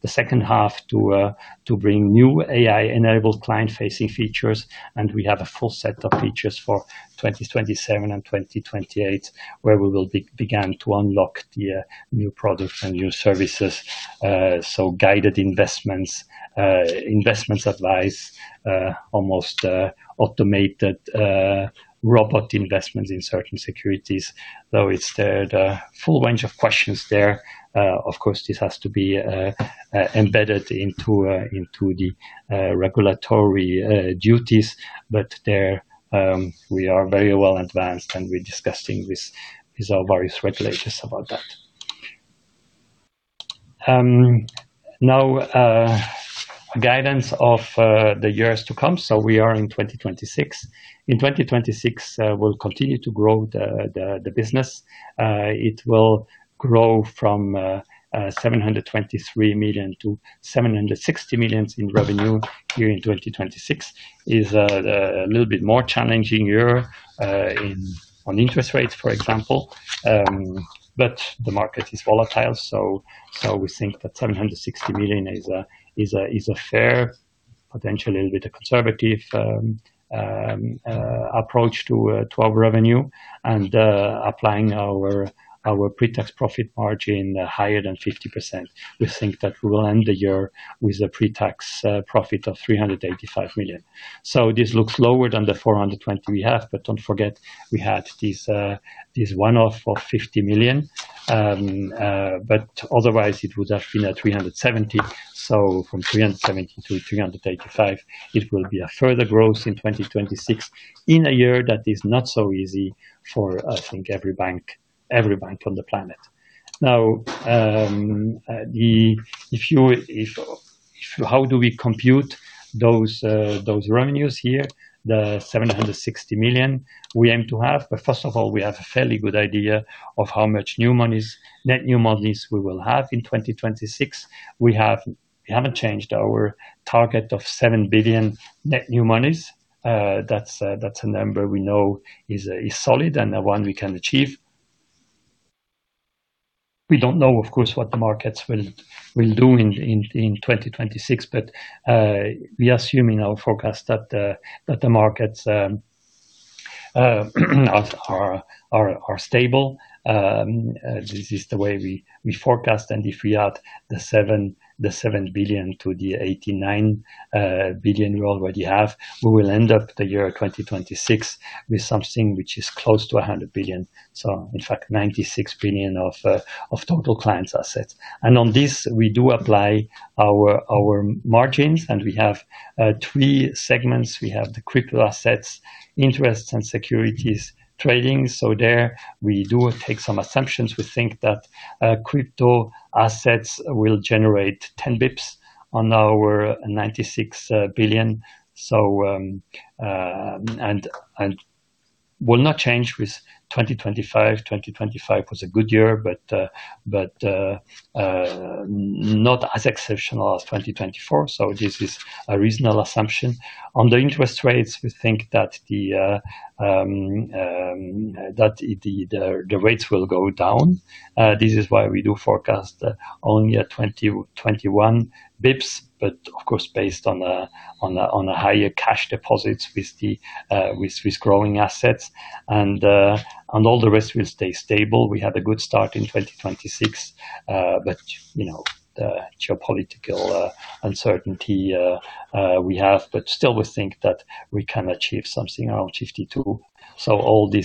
Speaker 2: the second half to bring new AI-enabled client-facing features. We have a full set of features for 2027 and 2028, where we will begin to unlock the new products and new services. So guided investments advice, almost automated robot investments in certain securities, though it's the full range of questions there. Of course, this has to be embedded into the regulatory duties. There we are very well advanced, and we're discussing this with our various regulators about that. Now, guidance of the years to come. We are in 2026. In 2026, we'll continue to grow the business. It will grow from 723 million to 760 million in revenue here in 2026. It's a little bit more challenging year on interest rates, for example. The market is volatile, so we think that 760 million is a fair, potentially a little bit conservative approach to our revenue. Applying our pre-tax profit margin higher than 50%, we think that we will end the year with a pre-tax profit of 385 million. This looks lower than the 420 we have, but don't forget we had this one-off of 50 million. Otherwise it would have been at 370 million. From 370 million to 385 million, it will be a further growth in 2026 in a year that is not so easy for, I think, every bank on the planet. Now, if you-, how do we compute those revenues here, the 760 million we aim to have? First of all, we have a fairly good idea of how much new monies, net new monies we will have in 2026. We haven't changed our target of 7 billion net new monies. That's a number we know is solid and one we can achieve. We don't know, of course, what the markets will do in 2026, but we are assuming our forecast that the markets are stable. This is the way we forecast. If we add the 7 billion to the 89 billion we already have, we will end up the year 2026 with something which is close to 100 billion. In fact, 96 billion of total clients assets. On this we do apply our margins, and we have three segments. We have the crypto assets, interest and securities trading. There we do take some assumptions. We think that crypto assets will generate 10 basis points on our 96 billion, and will not change with 2025. 2025 was a good year, but not as exceptional as 2024. This is a reasonable assumption. On the interest rates, we think that the rates will go down. This is why we do forecast only at 21 basis points, but of course based on higher cash deposits with the growing assets and all the rest will stay stable. We had a good start in 2026, but you know, the geopolitical uncertainty we have, but still we think that we can achieve something around 52 million.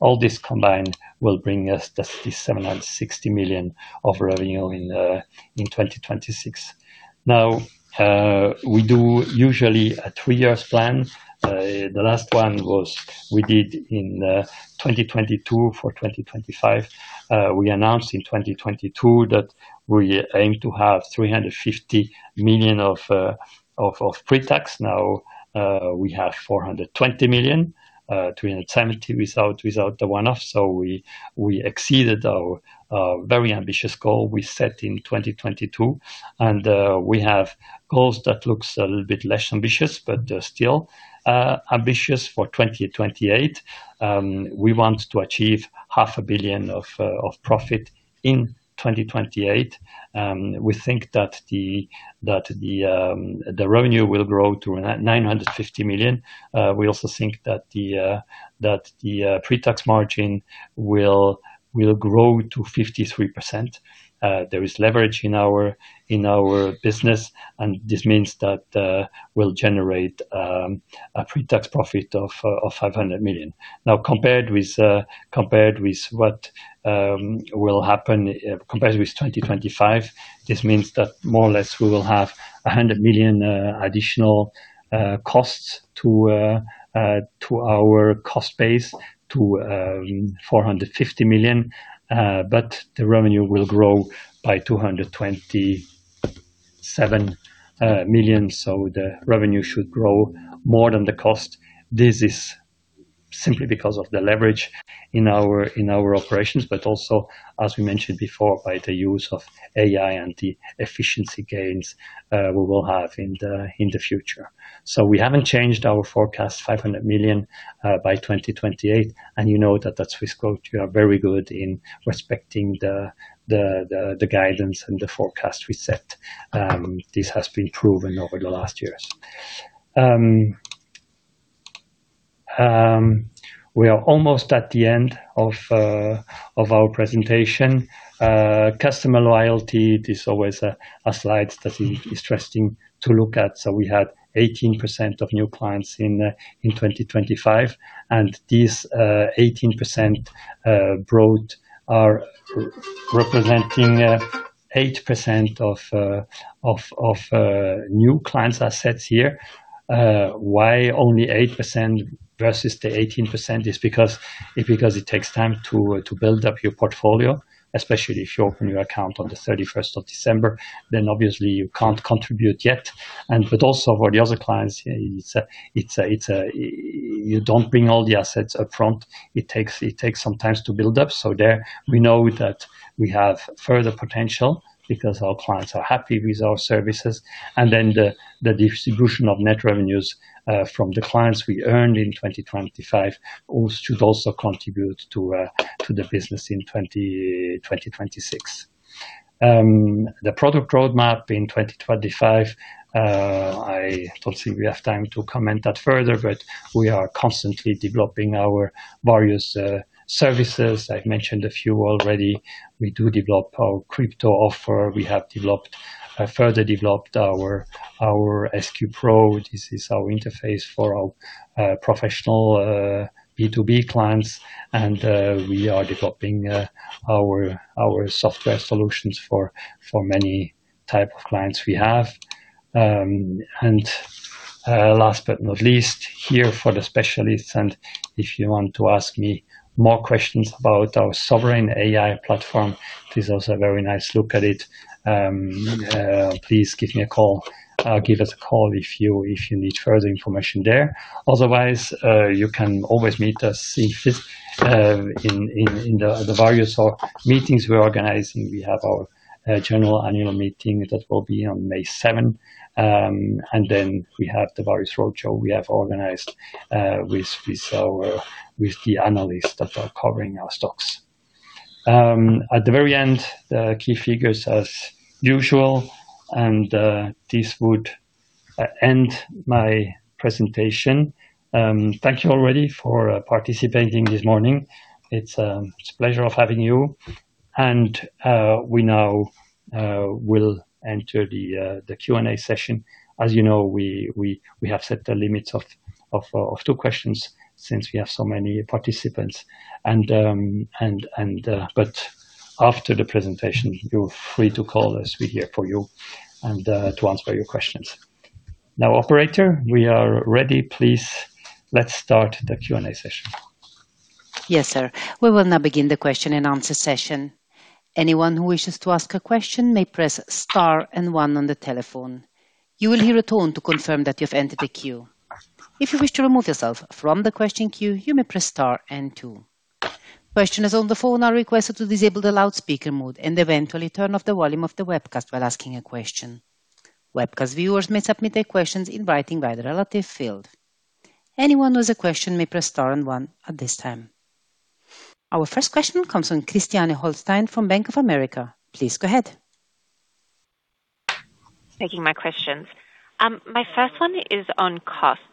Speaker 2: All this combined will bring us 760 million of revenue in 2026. Now, we do usually a three-year plan. The last one was we did in 2022 for 2025. We announced in 2022 that we aim to have 350 million of pre-tax. Now, we have 420 million, 370 million without the one-off. We exceeded our very ambitious goal we set in 2022. We have goals that looks a little bit less ambitious but still ambitious for 2028. We want to achieve 500 million of profit in 2028. We think that the revenue will grow to 950 million. We also think that the pre-tax margin will grow to 53%. There is leverage in our business and this means that we'll generate a pre-tax profit of 500 million. Now, compared with 2025, this means that more or less we will have 100 million additional costs to our cost base to 450 million. The revenue will grow by 227 million. The revenue should grow more than the cost. This is simply because of the leverage in our operations, but also, as we mentioned before, by the use of AI and the efficiency gains we will have in the future. We haven't changed our forecast 500 million by 2028. You know that at Swissquote we are very good in respecting the guidance and the forecast we set. This has been proven over the last years. We are almost at the end of our presentation. Customer loyalty. This is always a slide that is interesting to look at. We had 18% of new clients in 2025, and this 18% brought are representing 8% of new clients assets here. Why only 8% versus the 18% is because it takes time to build up your portfolio, especially if you open your account on the 31st of December, then obviously you can't contribute yet. But also for the other clients, it's – you don't bring all the assets up front. It takes some time to build up. There we know that we have further potential because our clients are happy with our services. Then the distribution of net revenues from the clients we earned in 2025 also should contribute to the business in 2026. The product roadmap in 2025, I don't think we have time to comment that further, but we are constantly developing our various services. I've mentioned a few already. We do develop our crypto offer. We have further developed our SQ Pro. This is our interface for our professional B2B clients. We are developing our software solutions for many type of clients we have. Last but not least, here for the specialists, if you want to ask me more questions about our Sovereign AI platform, this is also a very nice look at it. Please give me a call. Give us a call if you need further information there. Otherwise, you can always meet us in the various meetings we're organizing. We have our general annual meeting that will be on May 7th. We have the various roadshow we have organized with the analysts that are covering our stocks. At the very end, the key figures as usual, and this would end my presentation. Thank you already for participating this morning. It's a pleasure of having you. We now will enter the Q&A session. As you know, we have set the limits of two questions since we have so many participants. After the presentation, feel free to call us. We're here for you and to answer your questions. Now, operator, we are ready. Please, let's start the Q&A session.
Speaker 1: Yes, sir. We will now begin the question-and-answer session. Anyone who wishes to ask a question may press star and one on the telephone. You will hear a tone to confirm that you've entered the queue. If you wish to remove yourself from the question queue, you may press star and two. Questioners on the phone are requested to disable the loudspeaker mode and eventually turn off the volume of the webcast while asking a question. Webcast viewers may submit their questions in writing via the relevant field. Anyone with a question may press star and one at this time. Our first question comes from Christiane Holstein from Bank of America. Please go ahead.
Speaker 3: Taking my questions. My first one is on costs.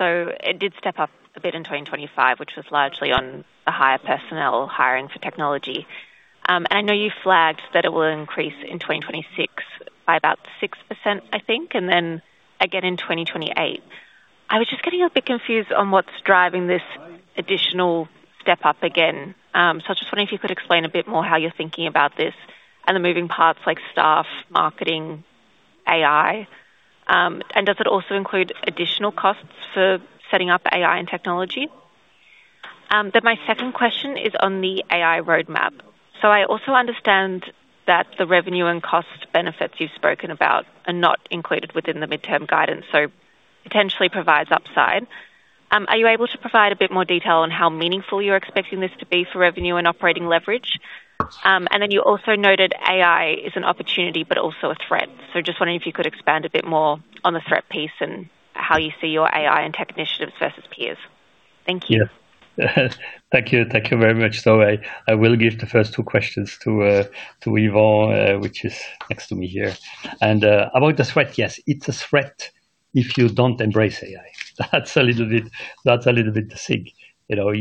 Speaker 3: It did step up a bit in 2025, which was largely on the higher personnel hiring for technology. I know you flagged that it will increase in 2026 by about 6%, I think, and then again in 2028. I was just getting a bit confused on what's driving this additional step-up again. I was just wondering if you could explain a bit more how you're thinking about this and the moving parts like staff, marketing, AI. Does it also include additional costs for setting up AI and technology? My second question is on the AI roadmap. I also understand that the revenue and cost benefits you've spoken about are not included within the midterm guidance, so potentially provides upside. Are you able to provide a bit more detail on how meaningful you're expecting this to be for revenue and operating leverage? You also noted AI is an opportunity but also a threat. Just wondering if you could expand a bit more on the threat piece and how you see your AI and tech initiatives versus peers? Thank you.
Speaker 2: Yeah. Thank you. Thank you very much. I will give the first two questions to Yvan, which is next to me here. About the threat, yes, it's a threat if you don't embrace AI. That's a little bit the thing. You know,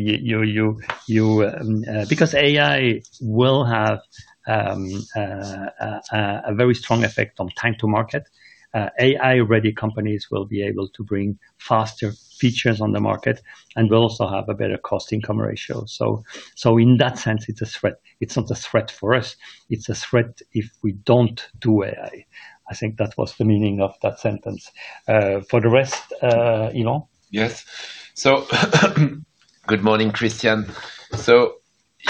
Speaker 2: AI will have a very strong effect on time to market. AI-ready companies will be able to bring faster features on the market and will also have a better cost income ratio. In that sense, it's a threat. It's not a threat for us, it's a threat if we don't do AI. I think that was the meaning of that sentence. For the rest, Yvan.
Speaker 4: Yes. Good morning, Christiane.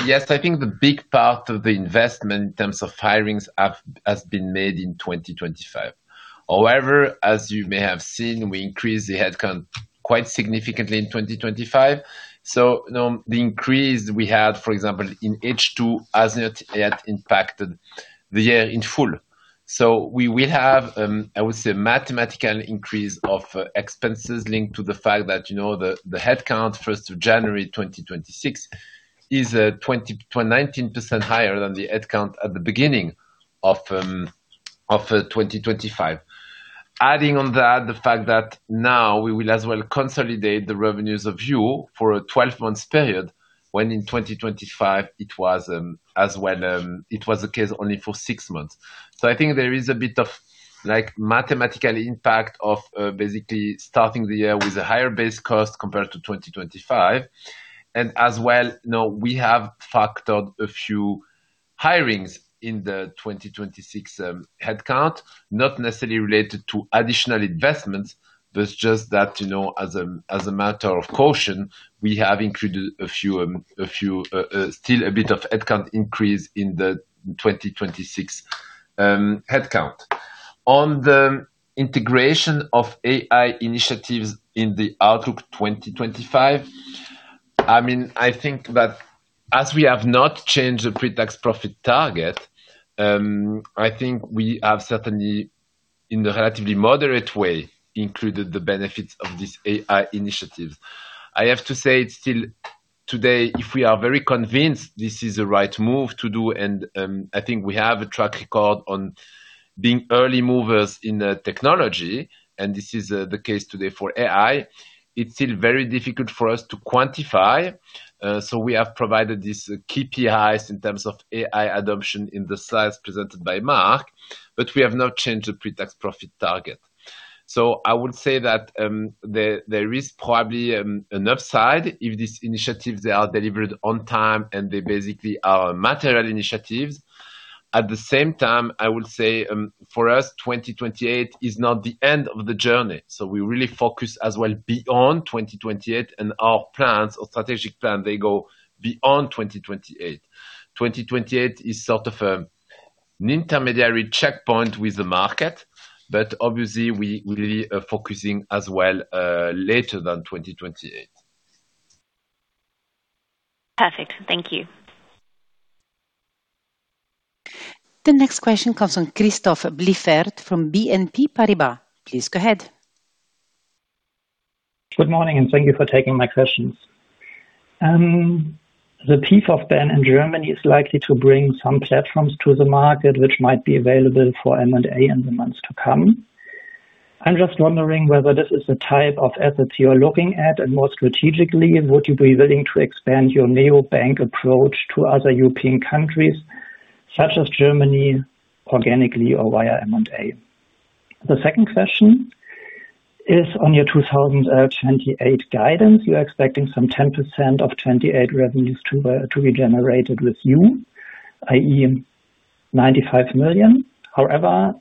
Speaker 4: Yes, I think the big part of the investment in terms of hirings has been made in 2025. However, as you may have seen, we increased the headcount quite significantly in 2025. Now the increase we had, for example, in H2 has not yet impacted the year in full. We will have, I would say, a mathematical increase of expenses linked to the fact that, you know, the headcount first of January 2026 is 20%-19% higher than the headcount at the beginning of 2025. Adding on that, the fact that now we will as well consolidate the revenues of Yuh for a 12-month period, when in 2025 it was the case only for six months. I think there is a bit of like mathematical impact of, basically starting the year with a higher base cost compared to 2025. As well, now we have factored a few hirings in the 2026 headcount, not necessarily related to additional investments, but just that, you know, as a matter of caution, we have included a few still a bit of headcount increase in the 2026 headcount. On the integration of AI initiatives in the outlook 2025, I mean, I think that as we have not changed the pre-tax profit target, I think we have certainly, in a relatively moderate way, included the benefits of these AI initiatives. I have to say it's still today, if we are very convinced this is the right move to do, and I think we have a track record on being early movers in the technology, and this is the case today for AI, it's still very difficult for us to quantify. We have provided these KPIs in terms of AI adoption in the slides presented by Marc, but we have not changed the pre-tax profit target. I would say that there is probably an upside if these initiatives are delivered on time and they basically are material initiatives. At the same time, I would say for us, 2028 is not the end of the journey. We really focus as well beyond 2028 and our plans or strategic plan, they go beyond 2028. 2028 is sort of, an intermediary checkpoint with the market, but obviously we really are focusing as well, later than 2028.
Speaker 3: Perfect. Thank you.
Speaker 1: The next question comes from Christoph Blieffert from BNP Paribas. Please go ahead.
Speaker 5: Good morning, and thank you for taking my questions. The BaFin in Germany is likely to bring some platforms to the market which might be available for M&A in the months to come. I'm just wondering whether this is the type of assets you are looking at, and more strategically, would you be willing to expand your neobank approach to other European countries such as Germany, organically or via M&A? The second question is on your 2028 guidance. You are expecting some 10% of 2028 revenues to be generated with Yuh, i.e., 95 million. However,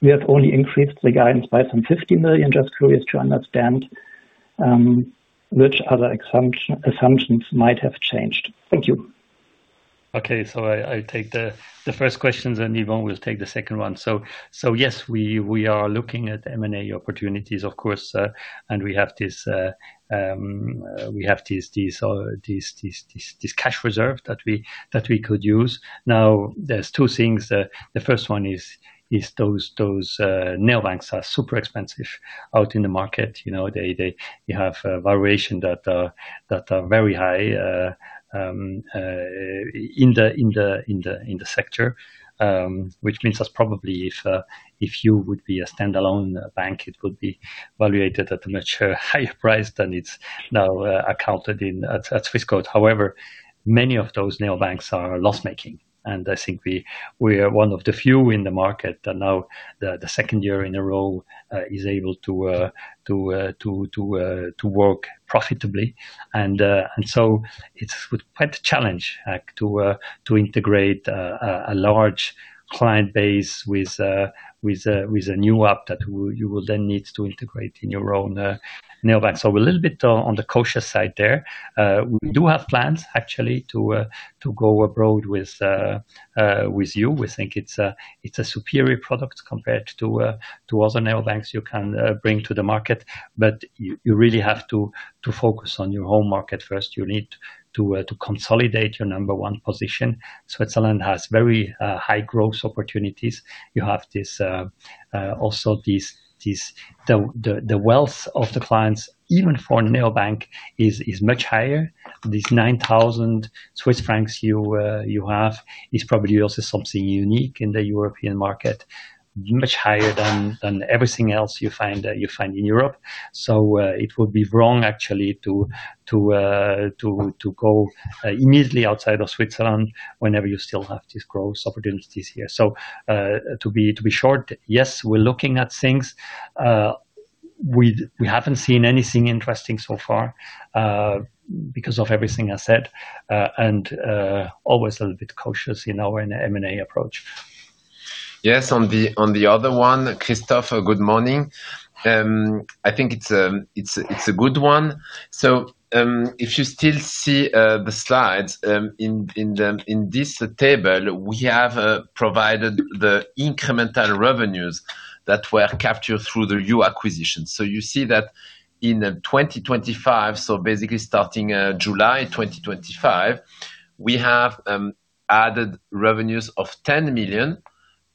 Speaker 5: we have only increased the guidance by some 50 million. Just curious to understand which other assumptions might have changed. Thank you.
Speaker 2: Okay. I take the first questions and Yvan will take the second one. Yes, we are looking at M&A opportunities, of course, and we have this cash reserve that we could use. Now there's two things. The first one is those neobanks are super expensive out in the market. You know, you have a valuation that are very high in the sector, which means that probably if you would be a standalone bank, it would be valuated at a much higher price than it's now accounted in at Swissquote. However, many of those neobanks are loss-making, and I think we are one of the few in the market that now the second year in a row is able to work profitably. It's quite a challenge to integrate a large client base with a new app that Yuh will then need to integrate in your own neobank. A little bit on the cautious side there. We do have plans actually to go abroad with Yuh. We think it's a superior product compared to other neobanks Yuh can bring to the market. You really have to focus on your home market first. You need to consolidate your number one position. Switzerland has very high growth opportunities. You have this also. The wealth of the clients, even for a neobank, is much higher. These 9,000 Swiss francs you have is probably also something unique in the European market, much higher than everything else you find in Europe. It would be wrong actually to go immediately outside of Switzerland whenever you still have these growth opportunities here. To be short, yes, we're looking at things. We haven't seen anything interesting so far, because of everything I said, and always a little bit cautious in our M&A approach.
Speaker 4: Yes. On the other one, Christoph, good morning. I think it's a good one. If you still see the slides, in this table, we have provided the incremental revenues that were captured through the Yuh acquisition. You see that in 2025, basically starting July 2025, we have added revenues of 10 million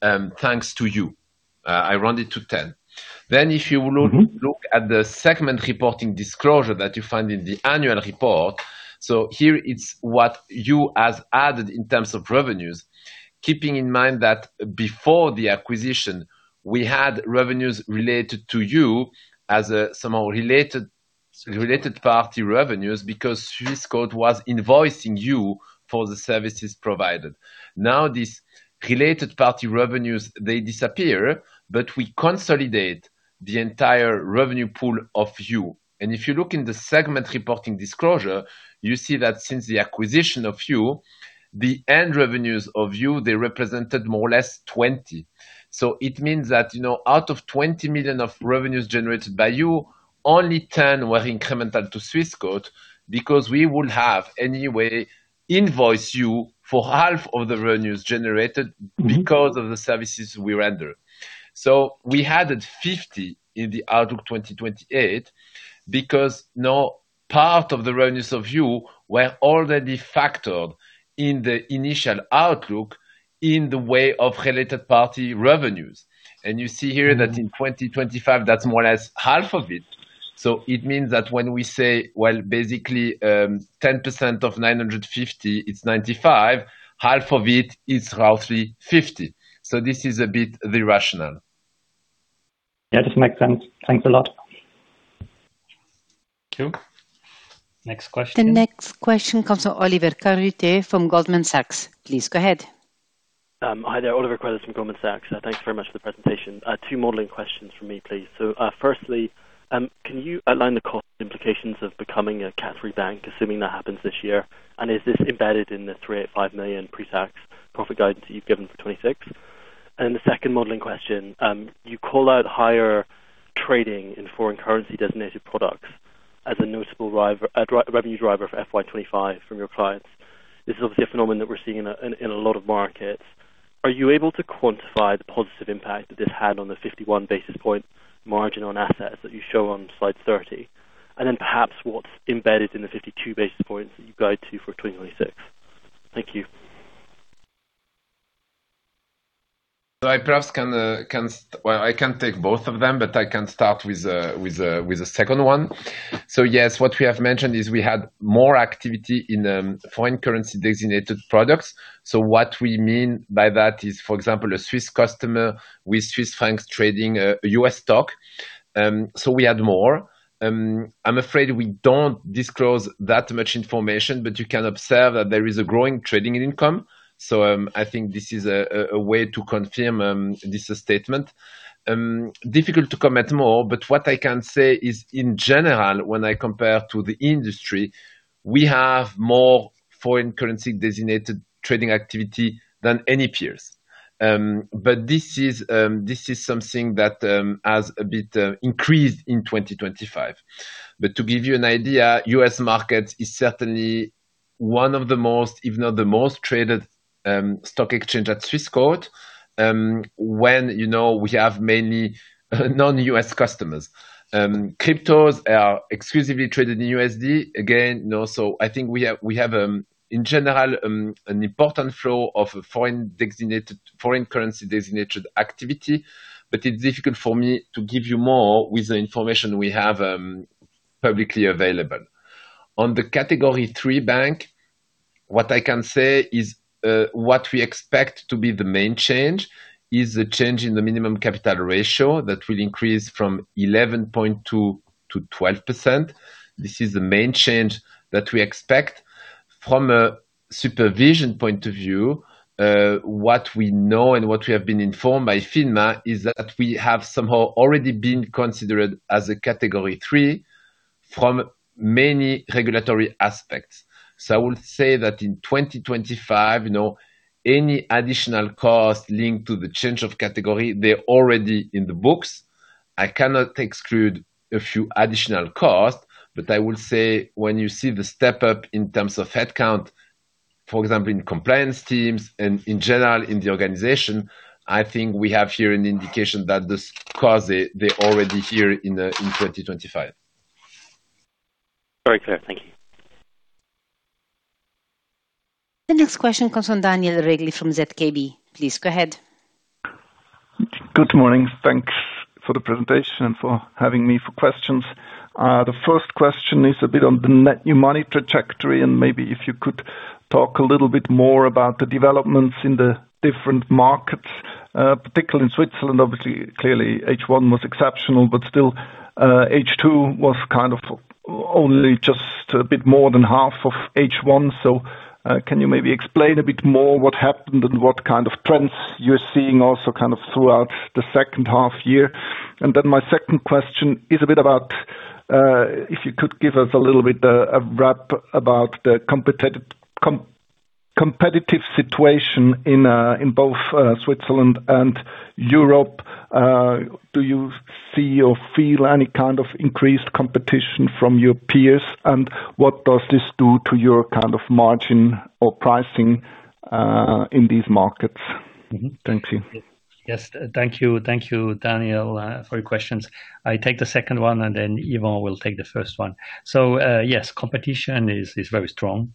Speaker 4: thanks to Yuh. I round it to 10. Then if you look-
Speaker 5: Mm-hmm.
Speaker 4: Look at the segment reporting disclosure that you find in the annual report. Here it's what Yuh has added in terms of revenues. Keeping in mind that before the acquisition, we had revenues related to Yuh as somehow related party revenues because Swissquote was invoicing Yuh for the services provided. Now, these related party revenues, they disappear, but we consolidate the entire revenue pool of Yuh. If you look in the segment reporting disclosure, you see that since the acquisition of Yuh, the net revenues of Yuh, they represented more or less 20 million. It means that, you know, out of 20 million of revenues generated by Yuh, only 10 million were incremental to Swissquote because we would have anyway invoice Yuh for half of the revenues generated.
Speaker 5: Mm-hmm.
Speaker 4: Because of the services we render. We added 50 million in the outlook 2028 because now part of the revenues of Yuh were already factored in the initial outlook in the way of related party revenues. You see here.
Speaker 5: Mm-hmm.
Speaker 4: That in 2025, that's more or less half of it. It means that when we say, well, basically, 10% of 950 million, it's 95 million, 1/2 of it is roughly 50 million. This is a bit the rationale.
Speaker 5: Yeah, this makes sense. Thanks a lot.
Speaker 2: Thank you. Next question.
Speaker 1: The next question comes from Oliver Carruthers from Goldman Sachs. Please go ahead.
Speaker 6: Hi there. Oliver Carruthers from Goldman Sachs. Thanks very much for the presentation. Two modeling questions from me, please. Firstly, can you outline the cost implications of becoming a cat 3 bank, assuming that happens this year? And is this embedded in the 385 million pre-tax profit guidance that you've given for 2026? And the second modeling question, you call out higher trading in foreign currency designated products as a notable revenue driver for FY 2025 from your clients. This is obviously a phenomenon that we're seeing in a lot of markets. Are you able to quantify the positive impact that this had on the 51 basis point margin on assets that you show on slide 30? And then perhaps what's embedded in the 52 basis points that you guide to for 2026. Thank you.
Speaker 4: I can't take both of them, but I can start with the second one. Yes, what we have mentioned is we had more activity in foreign currency designated products. What we mean by that is, for example, a Swiss customer with Swiss francs trading U.S. stock. We had more. I'm afraid we don't disclose that much information, but you can observe that there is a growing trading income. I think this is a way to confirm this statement. Difficult to comment more, but what I can say is, in general, when I compare to the industry, we have more foreign currency designated trading activity than any peers. This is something that has a bit increased in 2025. To give you an idea, U.S. market is certainly one of the most, if not the most traded, stock exchange at Swissquote, when, you know, we have mainly non-U.S. customers. Cryptos are exclusively traded in USD. Again, you know, so I think we have, in general, an important flow of foreign currency designated activity, but it's difficult for me to give you more with the information we have, publicly available. On the category 3 bank, what I can say is, what we expect to be the main change is a change in the minimum capital ratio that will increase from 11.2% to 12%. This is the main change that we expect. From a supervision point of view, what we know and what we have been informed by FINMA is that we have somehow already been considered as a category 3 from many regulatory aspects. I would say that in 2025, you know, any additional costs linked to the change of category, they're already in the books. I cannot exclude a few additional costs, but I will say when you see the step-up in terms of head count, for example, in compliance teams and in general in the organization, I think we have here an indication that those costs, they're already here in 2025.
Speaker 6: Very clear. Thank you.
Speaker 1: The next question comes from Daniel Regli from ZKB. Please go ahead.
Speaker 7: Good morning. Thanks for the presentation and for having me for questions. The first question is a bit on the net new money trajectory, and maybe if you could talk a little bit more about the developments in the different markets, particularly in Switzerland. Obviously, clearly H1 was exceptional, but still, H2 was kind of only just a bit more than half of H1, so, can you maybe explain a bit more what happened and what kind of trends you're seeing also kind of throughout the second half year? And then my second question is a bit about, if you could give us a little bit, a wrap about the competitive situation in both, Switzerland and Europe. Do you see or feel any kind of increased competition from your peers? What does this do to your kind of margin or pricing in these markets? Mm-hmm. Thank you.
Speaker 2: Yes. Thank you. Thank you, Daniel, for your questions. I take the second one, and then Yvan will take the first one. Yes, competition is very strong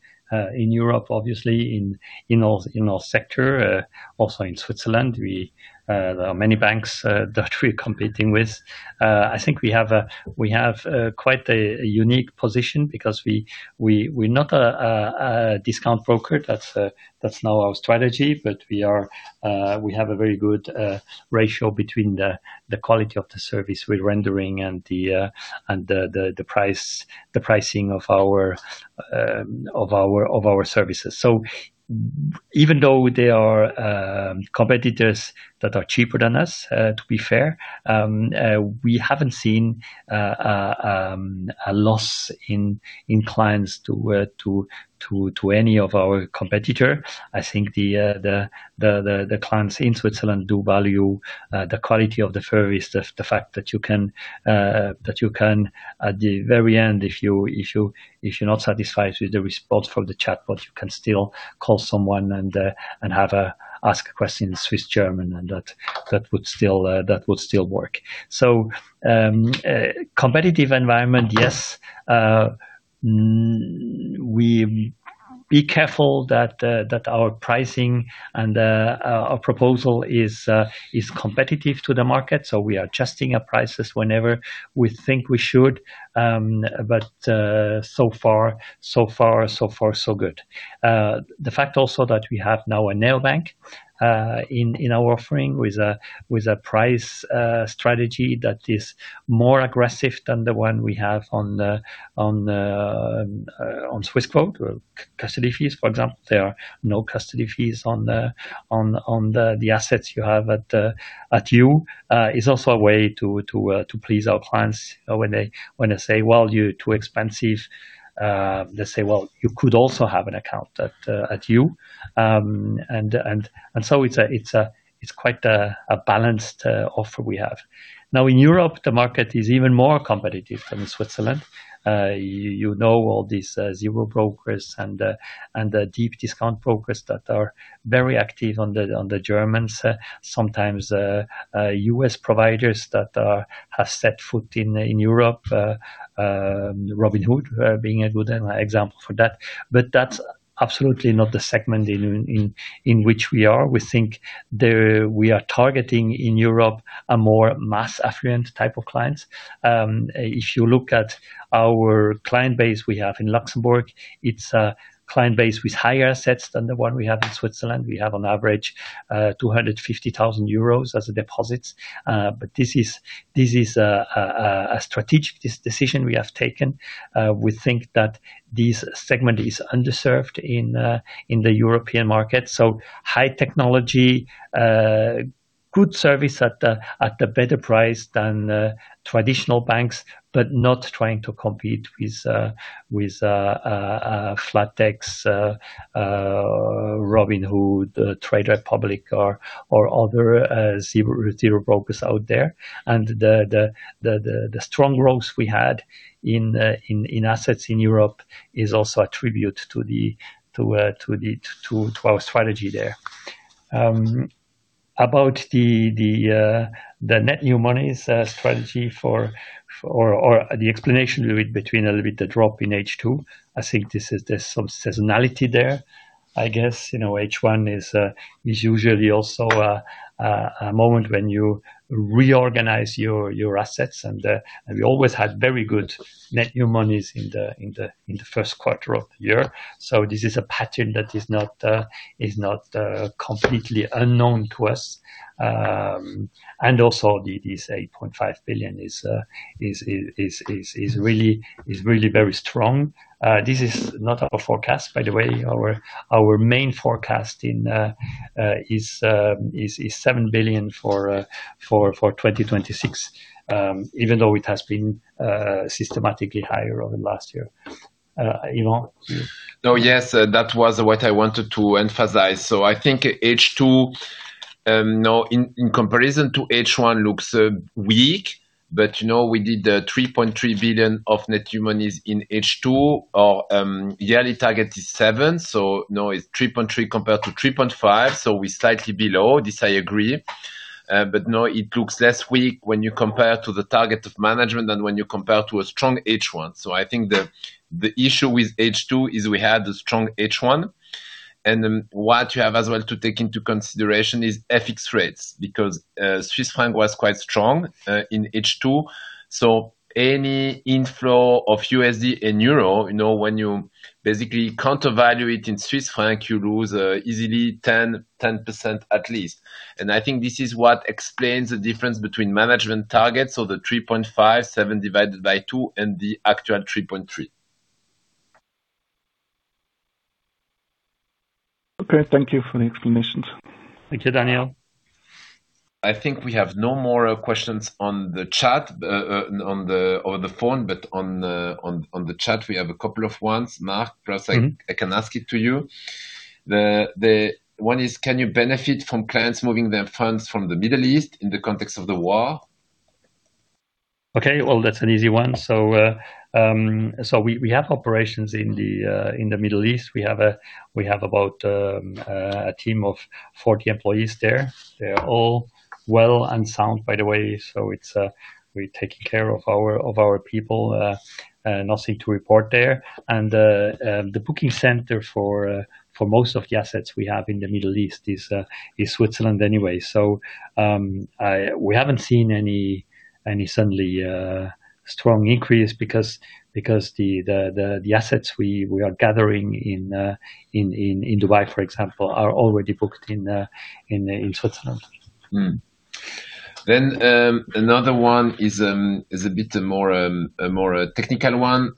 Speaker 2: in Europe, obviously in all sectors. Also in Switzerland, there are many banks that we're competing with. I think we have quite a unique position because we're not a discount broker. That's not our strategy. But we have a very good ratio between the quality of the service we're rendering and the price, the pricing of our services. Even though there are competitors that are cheaper than us, to be fair, we haven't seen a loss in clients to any of our competitor. I think the clients in Switzerland do value the quality of the service. The fact that you can, at the very end, if you're not satisfied with the response from the chatbot, you can still call someone and ask a question in Swiss German, and that would still work. Competitive environment, yes. We're careful that our pricing and our proposal is competitive to the market, so we are adjusting our prices whenever we think we should. So far, so good. The fact also that we have now a neobank in our offering with a price strategy that is more aggressive than the one we have on Swissquote, custody fees, for example. There are no custody fees on the assets you have at Yuh is also a way to please our clients when they say, "Well, you're too expensive." They say, "Well, you could also have an account at Yuh." It's quite a balanced offer we have. Now in Europe, the market is even more competitive than in Switzerland. You know all these zero brokers and the deep discount brokers that are very active in Germany. Sometimes U.S. providers that have set foot in Europe, Robinhood being a good example for that. That's absolutely not the segment in which we are. We think we are targeting in Europe a more mass affluent type of clients. If you look at our client base we have in Luxembourg, it's a client base with higher assets than the one we have in Switzerland. We have on average 250,000 euros as deposits. But this is a strategic decision we have taken. We think that this segment is underserved in the European market. High technology. Good service at a better price than traditional banks, but not trying to compete with flatex, Robinhood, Trade Republic or other zero brokers out there. The strong growth we had in assets in Europe is also a tribute to our strategy there. About the net new monies strategy for or the explanation a little bit between the drop in H2, I think there's some seasonality there, I guess. You know, H1 is usually also a moment when you reorganize your assets. We always had very good net new monies in the first quarter of the year. This is a pattern that is not completely unknown to us. This 8.5 billion is really very strong. This is not our forecast, by the way. Our main forecast is CHF 7 billion for 2026, even though it has been systematically higher over the last year. Yvan?
Speaker 4: No, yes, that was what I wanted to emphasize. I think H2, you know, in comparison to H1 looks weak, but, you know, we did 3.3 billion of net new monies in H2. Our yearly target is 7 billion, now it's 3.3 billion compared to 3.5 billion, so we're slightly below. This I agree. No, it looks less weak when you compare to the target of management than when you compare to a strong H1. I think the issue with H2 is we had a strong H1. Then what you have as well to take into consideration is FX rates, because Swiss franc was quite strong in H2. Any inflow of USD and euro, you know, when you basically counter value it in Swiss franc, you lose easily 10% at least. I think this is what explains the difference between management targets, so the 3.5%, 7 divided by 2, and the actual 3.3%.
Speaker 7: Okay. Thank you for the explanations.
Speaker 2: Thank you, Daniel.
Speaker 4: I think we have no more questions on the chat or the phone, but on the chat, we have a couple of ones. Marc, perhaps I can ask it to you. The one is, can you benefit from clients moving their funds from the Middle East in the context of the war?
Speaker 2: Okay, well, that's an easy one. We have operations in the Middle East. We have about a team of 40 employees there. They're all well and sound, by the way, so we're taking care of our people. Nothing to report there. The booking center for most of the assets we have in the Middle East is Switzerland anyway. We haven't seen any sudden strong increase because the assets we are gathering in Dubai, for example, are already booked in Switzerland.
Speaker 4: Another one is a bit more a more technical one.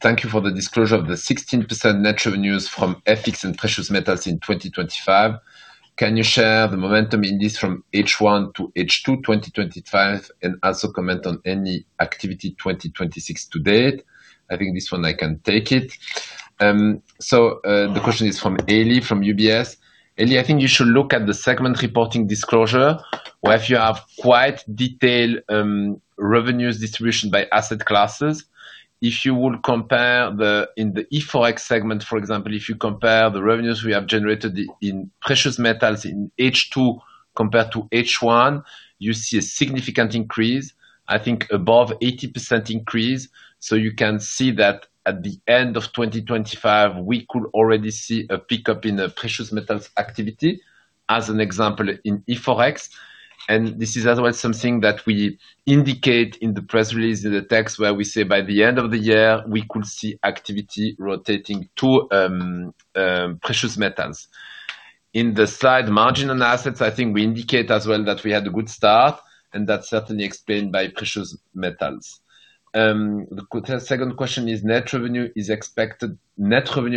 Speaker 4: Thank you for the disclosure of the 16% net revenues from FX and precious metals in 2025. Can you share the momentum in this from H1 to H2 2025 and also comment on any activity 2026 to date? I think this one I can take it. The question is from Eli, from UBS. Eli, I think you should look at the segment reporting disclosure, where you have quite detailed revenues distribution by asset classes. If you would compare in the eForex segment, for example, if you compare the revenues we have generated in precious metals in H2 compared to H1, you see a significant increase, I think above 80% increase. You can see that at the end of 2025, we could already see a pickup in the precious metals activity, as an example in eForex. This is otherwise something that we indicate in the press release, in the text, where we say by the end of the year, we could see activity rotating to precious metals. In the slide margin on assets, I think we indicate as well that we had a good start, and that's certainly explained by precious metals. The second question is net revenue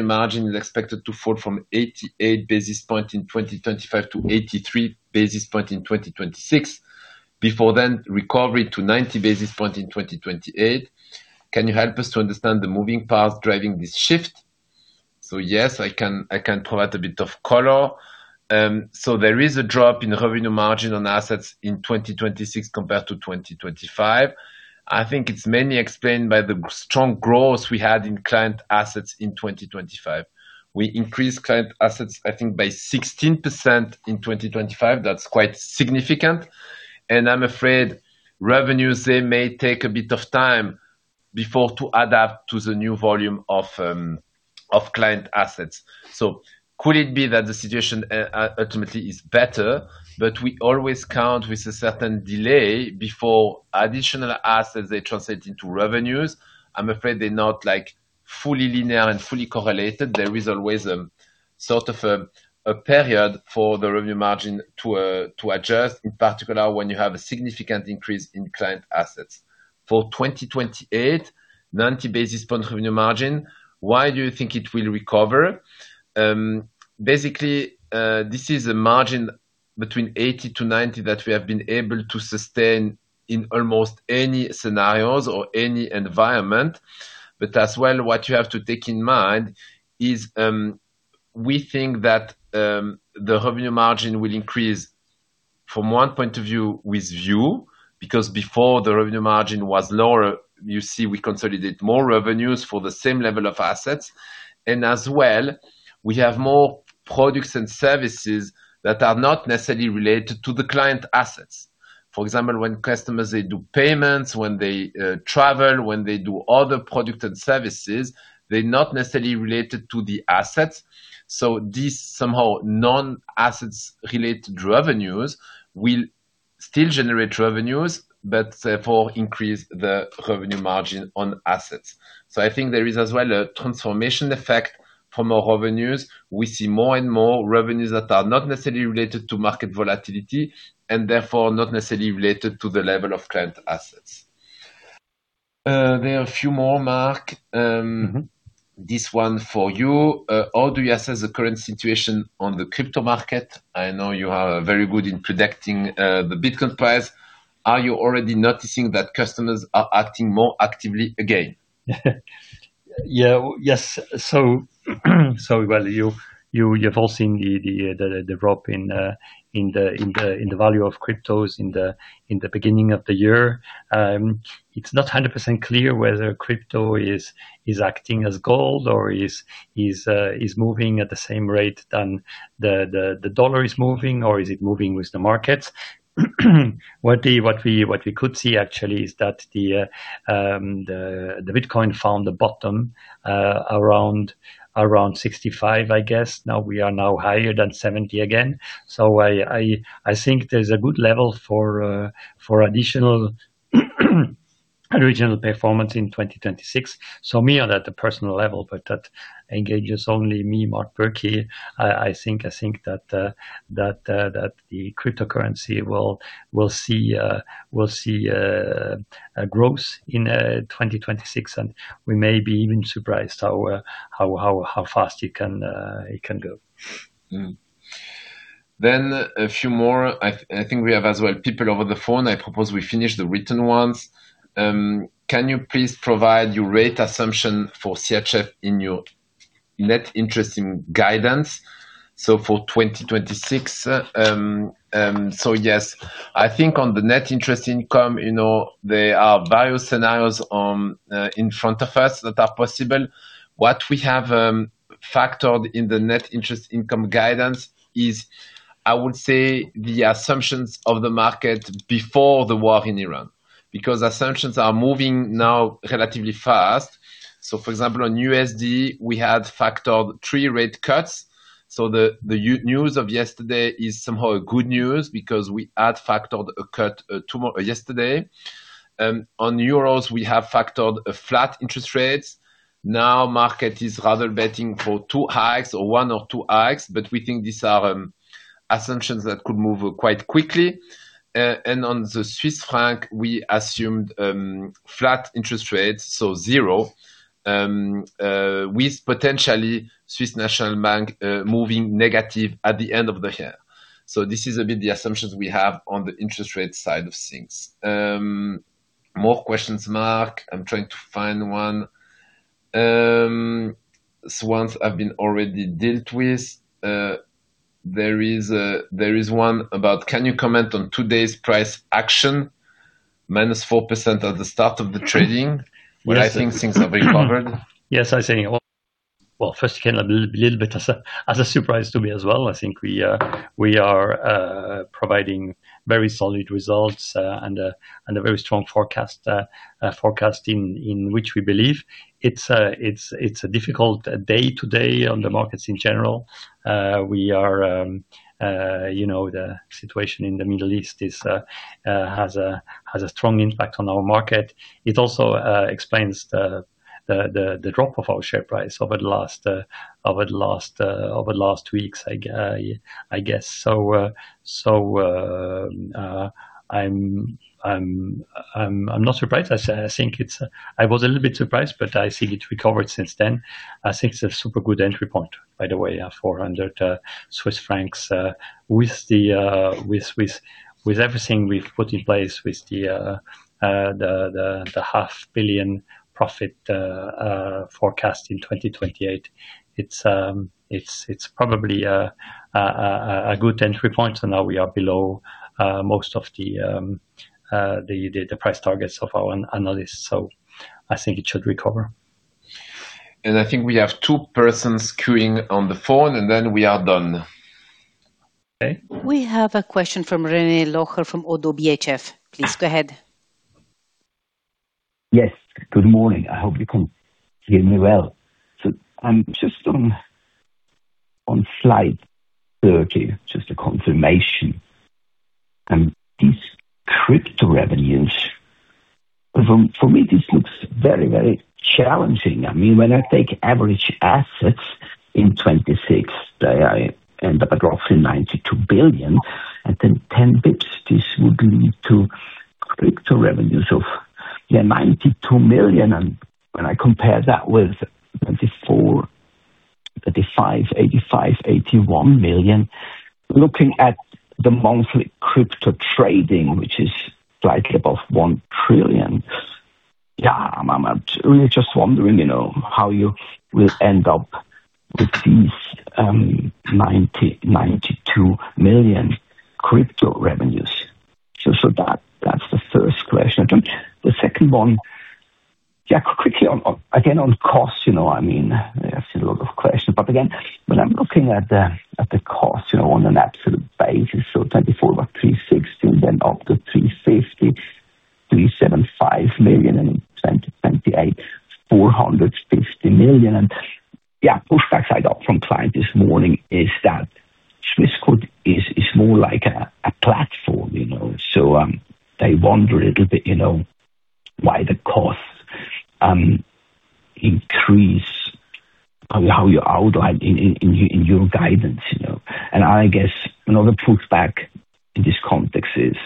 Speaker 4: margin is expected to fall from 88 basis points in 2025 to 83 basis points in 2026. Before then, recovery to 90 basis points in 2028. Can you help us to understand the moving parts driving this shift? Yes, I can provide a bit of color. There is a drop in revenue margin on assets in 2026 compared to 2025. I think it's mainly explained by the strong growth we had in client assets in 2025. We increased client assets, I think, by 16% in 2025. That's quite significant. I'm afraid revenues, they may take a bit of time before to adapt to the new volume of client assets. Could it be that the situation, ultimately is better, but we always count with a certain delay before additional assets, they translate into revenues. I'm afraid they're not like fully linear and fully correlated. There is always sort of a period for the revenue margin to adjust, in particular, when you have a significant increase in client assets. For 2028, 90 basis points revenue margin, why do you think it will recover? Basically, this is a margin between 80 basis points-90 basis points that we have been able to sustain in almost any scenarios or any environment. As well, what you have to take in mind is, we think that, the revenue margin will increase from one point of view with view, because before the revenue margin was lower, you see, we consolidated more revenues for the same level of assets. As well, we have more products and services that are not necessarily related to the client assets. For example, when customers, they do payments, when they, travel, when they do other product and services, they're not necessarily related to the assets. This somehow non-assets related revenues will still generate revenues, but therefore increase the revenue margin on assets. I think there is as well a transformation effect from our revenues. We see more and more revenues that are not necessarily related to market volatility and therefore not necessarily related to the level of client assets. There are a few more, Marc.
Speaker 2: Mm-hmm.
Speaker 4: This one for you. How do you assess the current situation on the crypto market? I know you are very good in predicting the Bitcoin price. Are you already noticing that customers are acting more actively again?
Speaker 2: Yes. Well, you've all seen the drop in the value of cryptos in the beginning of the year. It's not 100% clear whether crypto is acting as gold or is moving at the same rate than the dollar is moving, or is it moving with the markets. What we could see actually is that the Bitcoin found the bottom around $65,000, I guess. Now we are higher than $70,000 again. I think there's a good level for additional overall performance in 2026. In my opinion, at the personal level, but that concerns only me, Marc Bürki. I think that the cryptocurrency will see a growth in 2026, and we may be even surprised how fast it can go.
Speaker 4: A few more. I think we have as well people over the phone. I propose we finish the written ones. Can you please provide your rate assumption for the Swiss franc in your net interest income guidance? For 2026, yes. I think on the net interest income, you know, there are various scenarios in front of us that are possible. What we have factored in the net interest income guidance is, I would say, the assumptions of the market before the war in Ukraine, because assumptions are moving now relatively fast. For example, on the USD, we had factored 3 rate cuts. The news of yesterday is somehow good news because we had factored a cut yesterday. On the euro, we have factored flat interest rates. Now market is rather betting for 2 hikes or 1 hike or 2 hikes, but we think these are assumptions that could move quite quickly. On the Swiss franc, we assumed flat interest rates, so zero, with potentially Swiss National Bank moving negative at the end of the year. This is a bit the assumptions we have on the interest rate side of things. More questions, Marc. I'm trying to find one. This ones have been already dealt with. There is one about, can you comment on today's price action, -4% at the start of the trading?
Speaker 2: Yes.
Speaker 4: I think things have been covered.
Speaker 2: Yes, I think. Well, first again, a little bit of a surprise to me as well. I think we are providing very solid results and a very strong forecast in which we believe. It's a difficult day today on the markets in general. You know, the situation in the Middle East has a strong impact on our market. It also explains the drop of our share price over the last weeks, I guess. I'm not surprised. I was a little bit surprised, but I see it recovered since then. I think it's a super good entry point, by the way, for under Swiss francs, with the 500 million profit forecast in 2028. It's probably a good entry point, and now we are below most of the price targets of our analysts. I think it should recover.
Speaker 4: I think we have two persons queuing on the phone, and then we are done.
Speaker 2: Okay.
Speaker 1: We have a question from René Locher from ODDO BHF. Please go ahead.
Speaker 8: Yes. Good morning. I hope you can hear me well. Just on slide 30, just a confirmation on these crypto revenues. For me, this looks very challenging. I mean, when I take average assets in 2026, they end up dropping to 92 billion, and then 10 basis points, this would lead to crypto revenues of 92 million, and when I compare that with 2024, 35 million, 85 million, 81 million, looking at the monthly crypto trading, which is slightly above 1 trillion. I'm really just wondering, you know, how you will end up with these 92 million crypto revenues. That, that's the first question. The second one, quickly on again, on costs, you know what I mean? I've seen a lot of questions, but again, when I'm looking at the cost, you know, on an absolute basis, so 2024, about 360 million, and then up to 350 million-375 million, and in 2028, 450 million. Yeah, pushbacks I got from client this morning is that Swissquote is more like a platform, you know. They wonder a little bit, you know, why the costs increase how you outline in your guidance, you know. I guess another pushback in this context is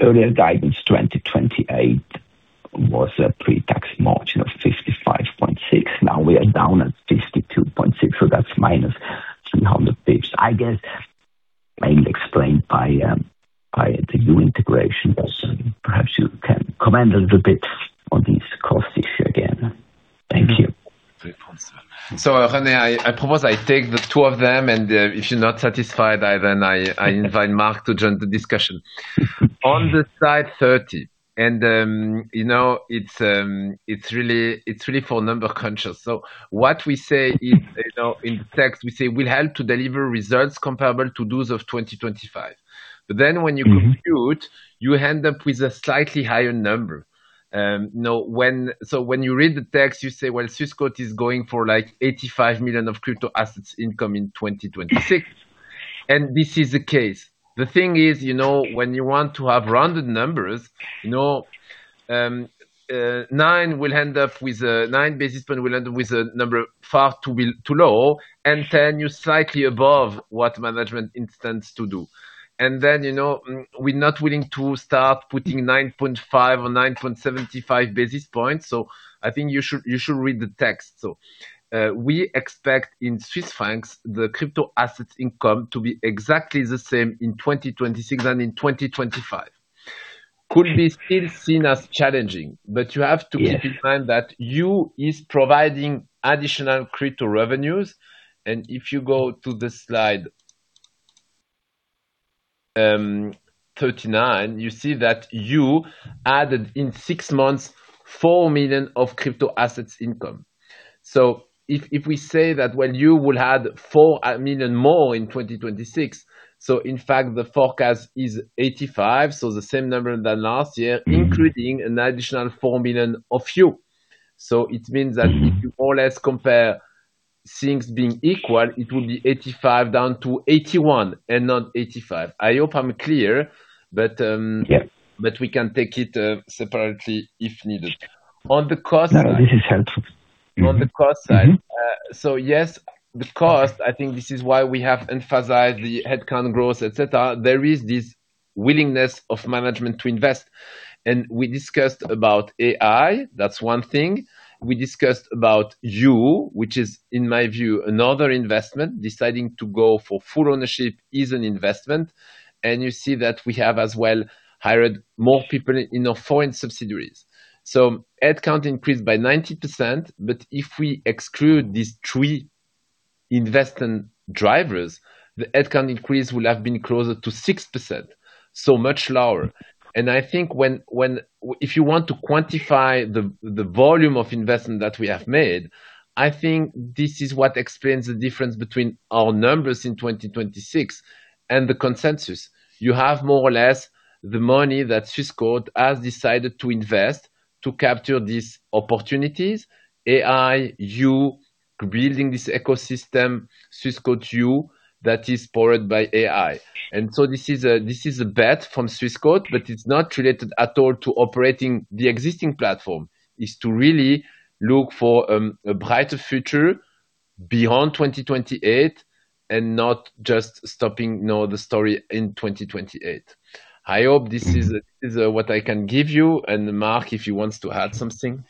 Speaker 8: earlier guidance, 2028 was a pre-tax margin of 55.6%. Now we are down at 52.6%, so that's minus 300 basis points. I guess mainly explained by the new integration, but perhaps you can comment a little bit on this cost issue again. Thank you.
Speaker 4: René, I propose I take the two of them, and if you're not satisfied, I invite Marc to join the discussion. On slide 30, it's really for number crunchers. What we say is, in text, we say we'll help to deliver results comparable to those of 2025. But then when you compute, you end up with a slightly higher number. When you read the text, you say, well, Swissquote is going for like 85 million of crypto assets income in 2026. This is the case. The thing is, you know, when you want to have rounded numbers, you know, 9 basis points will end up with, 9 basis points will end up with a number far too low, and 10 basis points you're slightly above what management intends to do. You know, we're not willing to start putting 9.5 basis points or 9.75 basis points. I think you should read the text. We expect in Swiss francs the crypto assets income to be exactly the same in 2026 and in 2025. Could be still seen as challenging, but you have to.
Speaker 8: Yes.
Speaker 4: Keep in mind that Yuh is providing additional crypto revenues, and if you go to the slide 39, you see that Yuh added in six months 4 million of crypto assets income. If we say that when Yuh will add 4 million more in 2026, in fact the forecast is 85 million, the same number than last year, including an additional 4 million of Yuh. It means that if you more or less compare things being equal, it will be 85 million-81 million and not 85 million. I hope I'm clear.
Speaker 8: Yeah.
Speaker 4: We can take it separately if needed. On the cost side.
Speaker 8: No, this is helpful.
Speaker 4: On the cost side.
Speaker 8: Mm-hmm.
Speaker 4: Yes, the cost, I think this is why we have emphasized the headcount growth, et cetera. There is this willingness of management to invest. We discussed about AI, that's one thing. We discussed about Yuh, which is, in my view, another investment. Deciding to go for full ownership is an investment. You see that we have as well hired more people in our foreign subsidiaries. Headcount increased by 90%, but if we exclude these three investment drivers, the headcount increase will have been closer to 6%, so much lower. I think if you want to quantify the volume of investment that we have made, I think this is what explains the difference between our numbers in 2026 and the consensus. You have more or less the money that Swissquote has decided to invest to capture these opportunities, AI, Yuh, building this ecosystem, Swissquote Yuh, that is powered by AI. This is a bet from Swissquote, but it's not related at all to operating the existing platform. It's to really look for a brighter future beyond 2028 and not just stopping, you know, the story in 2028. I hope this is what I can give you, and Marc, if he wants to add something.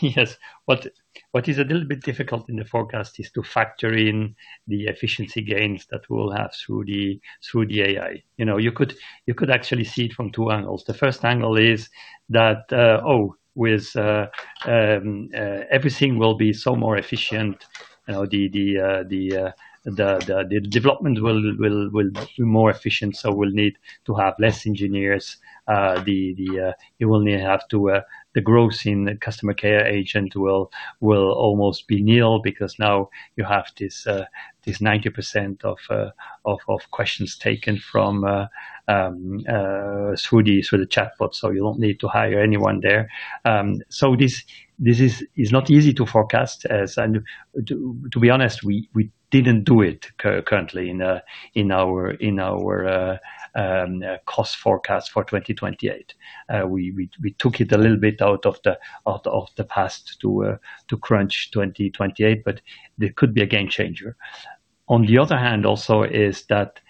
Speaker 2: Yes. What is a little bit difficult in the forecast is to factor in the efficiency gains that we'll have through the AI. You know, you could actually see it from two angles. The first angle is that everything will be so more efficient. You know, the development will be more efficient, so we'll need to have less engineers. You will only have to, the growth in customer care agent will almost be nil because now you have this 90% of questions taken through the chatbot, so you don't need to hire anyone there. So this is not easy to forecast as. To be honest, we didn't do it currently in our cost forecast for 2028. We took it a little bit out of the past to crunch 2028, but there could be a game changer. On the other hand also is that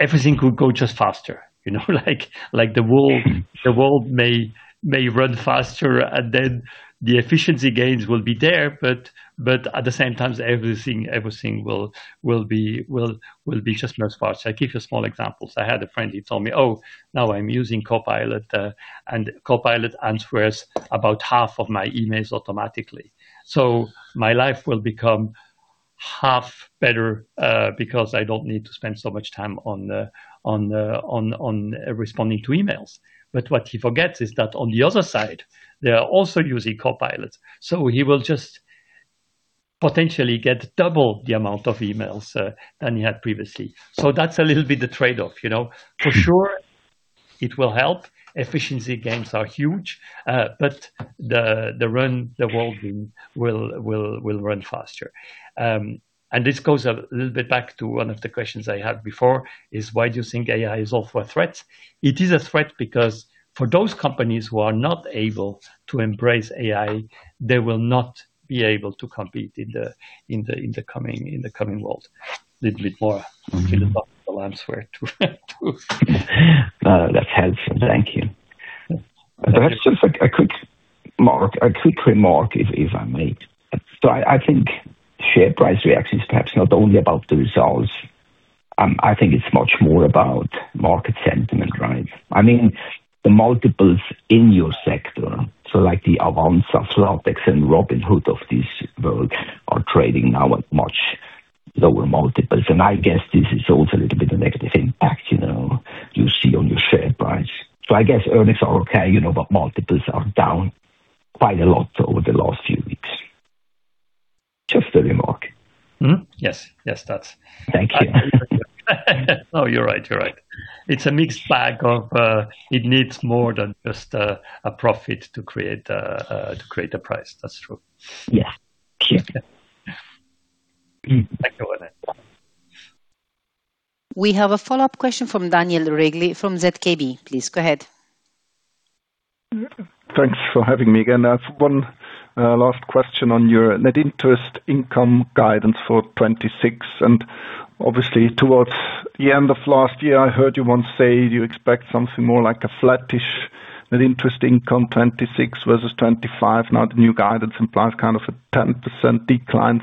Speaker 2: everything could go just faster. You know, like the world may run faster, and then the efficiency gains will be there, but at the same time, everything will be just much faster. I'll give you a small example. So I had a friend, he told me, "Oh, now I'm using Copilot, and Copilot answers about half of my emails automatically. My life will become half better, because I don't need to spend so much time on responding to emails." What he forgets is that on the other side, they are also using Copilot. He will just potentially get double the amount of emails than he had previously. That's a little bit the trade-off, you know? For sure it will help. Efficiency gains are huge. The world will run faster. This goes a little bit back to one of the questions I had before, is why do you think AI is also a threat? It is a threat because for those companies who are not able to embrace AI, they will not be able to compete in the coming world. Little bit more philosophical answer.
Speaker 8: No, that's helpful. Thank you. Perhaps just a quick remark if I might. I think share price reaction is perhaps not only about the results. I think it's much more about market sentiment, right? I mean, the multiples in your sector, so like the Avanza, flatex and Robinhood of this world are trading now at much lower multiples. I guess this is also a little bit of a negative impact, you know, you see on your share price. I guess earnings are okay, you know, but multiples are down quite a lot over the last few weeks. Just a remark.
Speaker 2: Yes. Yes.
Speaker 8: Thank you.
Speaker 2: No, you're right. It's a mixed bag of. It needs more than just a profit to create a price. That's true.
Speaker 8: Yeah. Thank you.
Speaker 2: Yeah.
Speaker 8: (inaudible)
Speaker 1: We have a follow-up question from Daniel Regli from ZKB. Please, go ahead.
Speaker 7: Thanks for having me again. I have one last question on your net interest income guidance for 2026, and obviously towards the end of last year, I heard you once say you expect something more like a flattish net interest income, 2026 versus 2025. Now the new guidance implies kind of a 10% decline.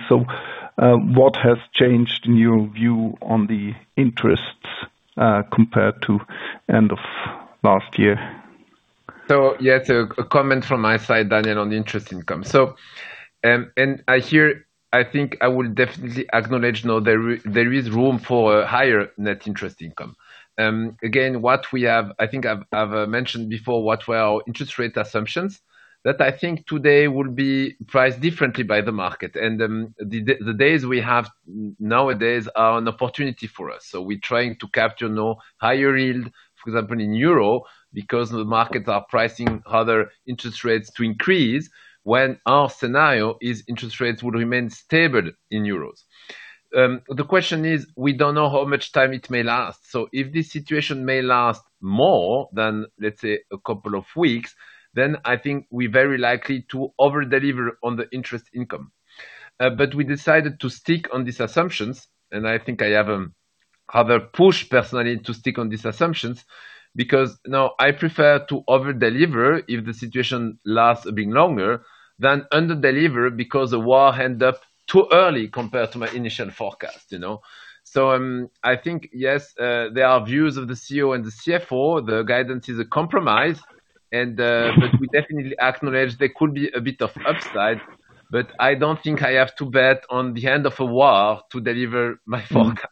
Speaker 7: What has changed in your view on the interests compared to end of last year?
Speaker 4: A comment from my side, Daniel, on interest income. I think I will definitely acknowledge now there is room for higher net interest income. Again, what we have I think I've mentioned before what were our interest rate assumptions. That I think today will be priced differently by the market. The days we have nowadays are an opportunity for us. We're trying to capture now higher yield, for example, in euro because the markets are pricing other interest rates to increase when our scenario is interest rates will remain stable in euros. The question is, we don't know how much time it may last. If this situation may last more than, let's say, a couple of weeks, then I think we're very likely to over-deliver on the interest income. We decided to stick on these assumptions, and I think I have pushed personally to stick on these assumptions because now I prefer to over-deliver if the situation lasts a bit longer than under-deliver because the war end up too early compared to my initial forecast, you know. I think yes, there are views of the CEO and the CFO, the guidance is a compromise, but we definitely acknowledge there could be a bit of upside, but I don't think I have to bet on the end of a war to deliver my forecast.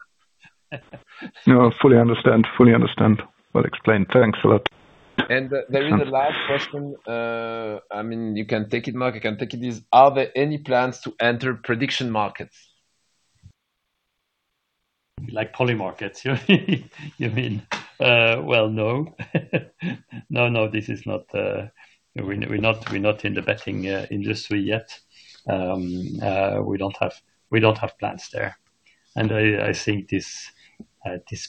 Speaker 7: No, fully understand. Well explained. Thanks a lot.
Speaker 4: There is a last question. I mean, you can take it, Marc, I can take it. Are there any plans to enter prediction markets?
Speaker 2: Like Polymarket, you mean? No. No, this is not. We're not in the betting industry yet. We don't have plans there. I think this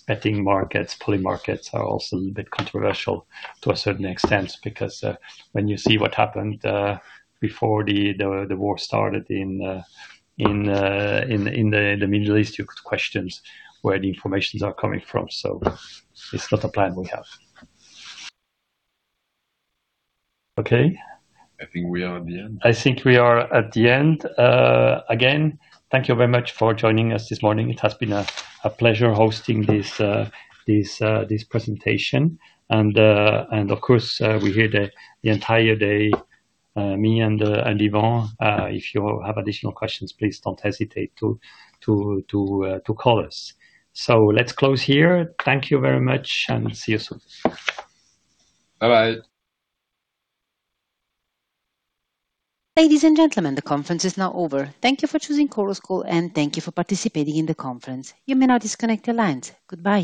Speaker 2: betting markets, Polymarket are also a little bit controversial to a certain extent because when you see what happened before the war started in the Middle East, you could question where the information is coming from. It's not a plan we have. Okay.
Speaker 4: I think we are at the end.
Speaker 2: I think we are at the end. Again, thank you very much for joining us this morning. It has been a pleasure hosting this presentation. Of course, we're here the entire day, me and Yvan. If you have additional questions, please don't hesitate to call us. Let's close here. Thank you very much, and see you soon.
Speaker 4: Bye-bye.
Speaker 1: Ladies and gentlemen, the conference is now over. Thank you for choosing Chorus Call, and thank you for participating in the conference. You may now disconnect your lines. Goodbye.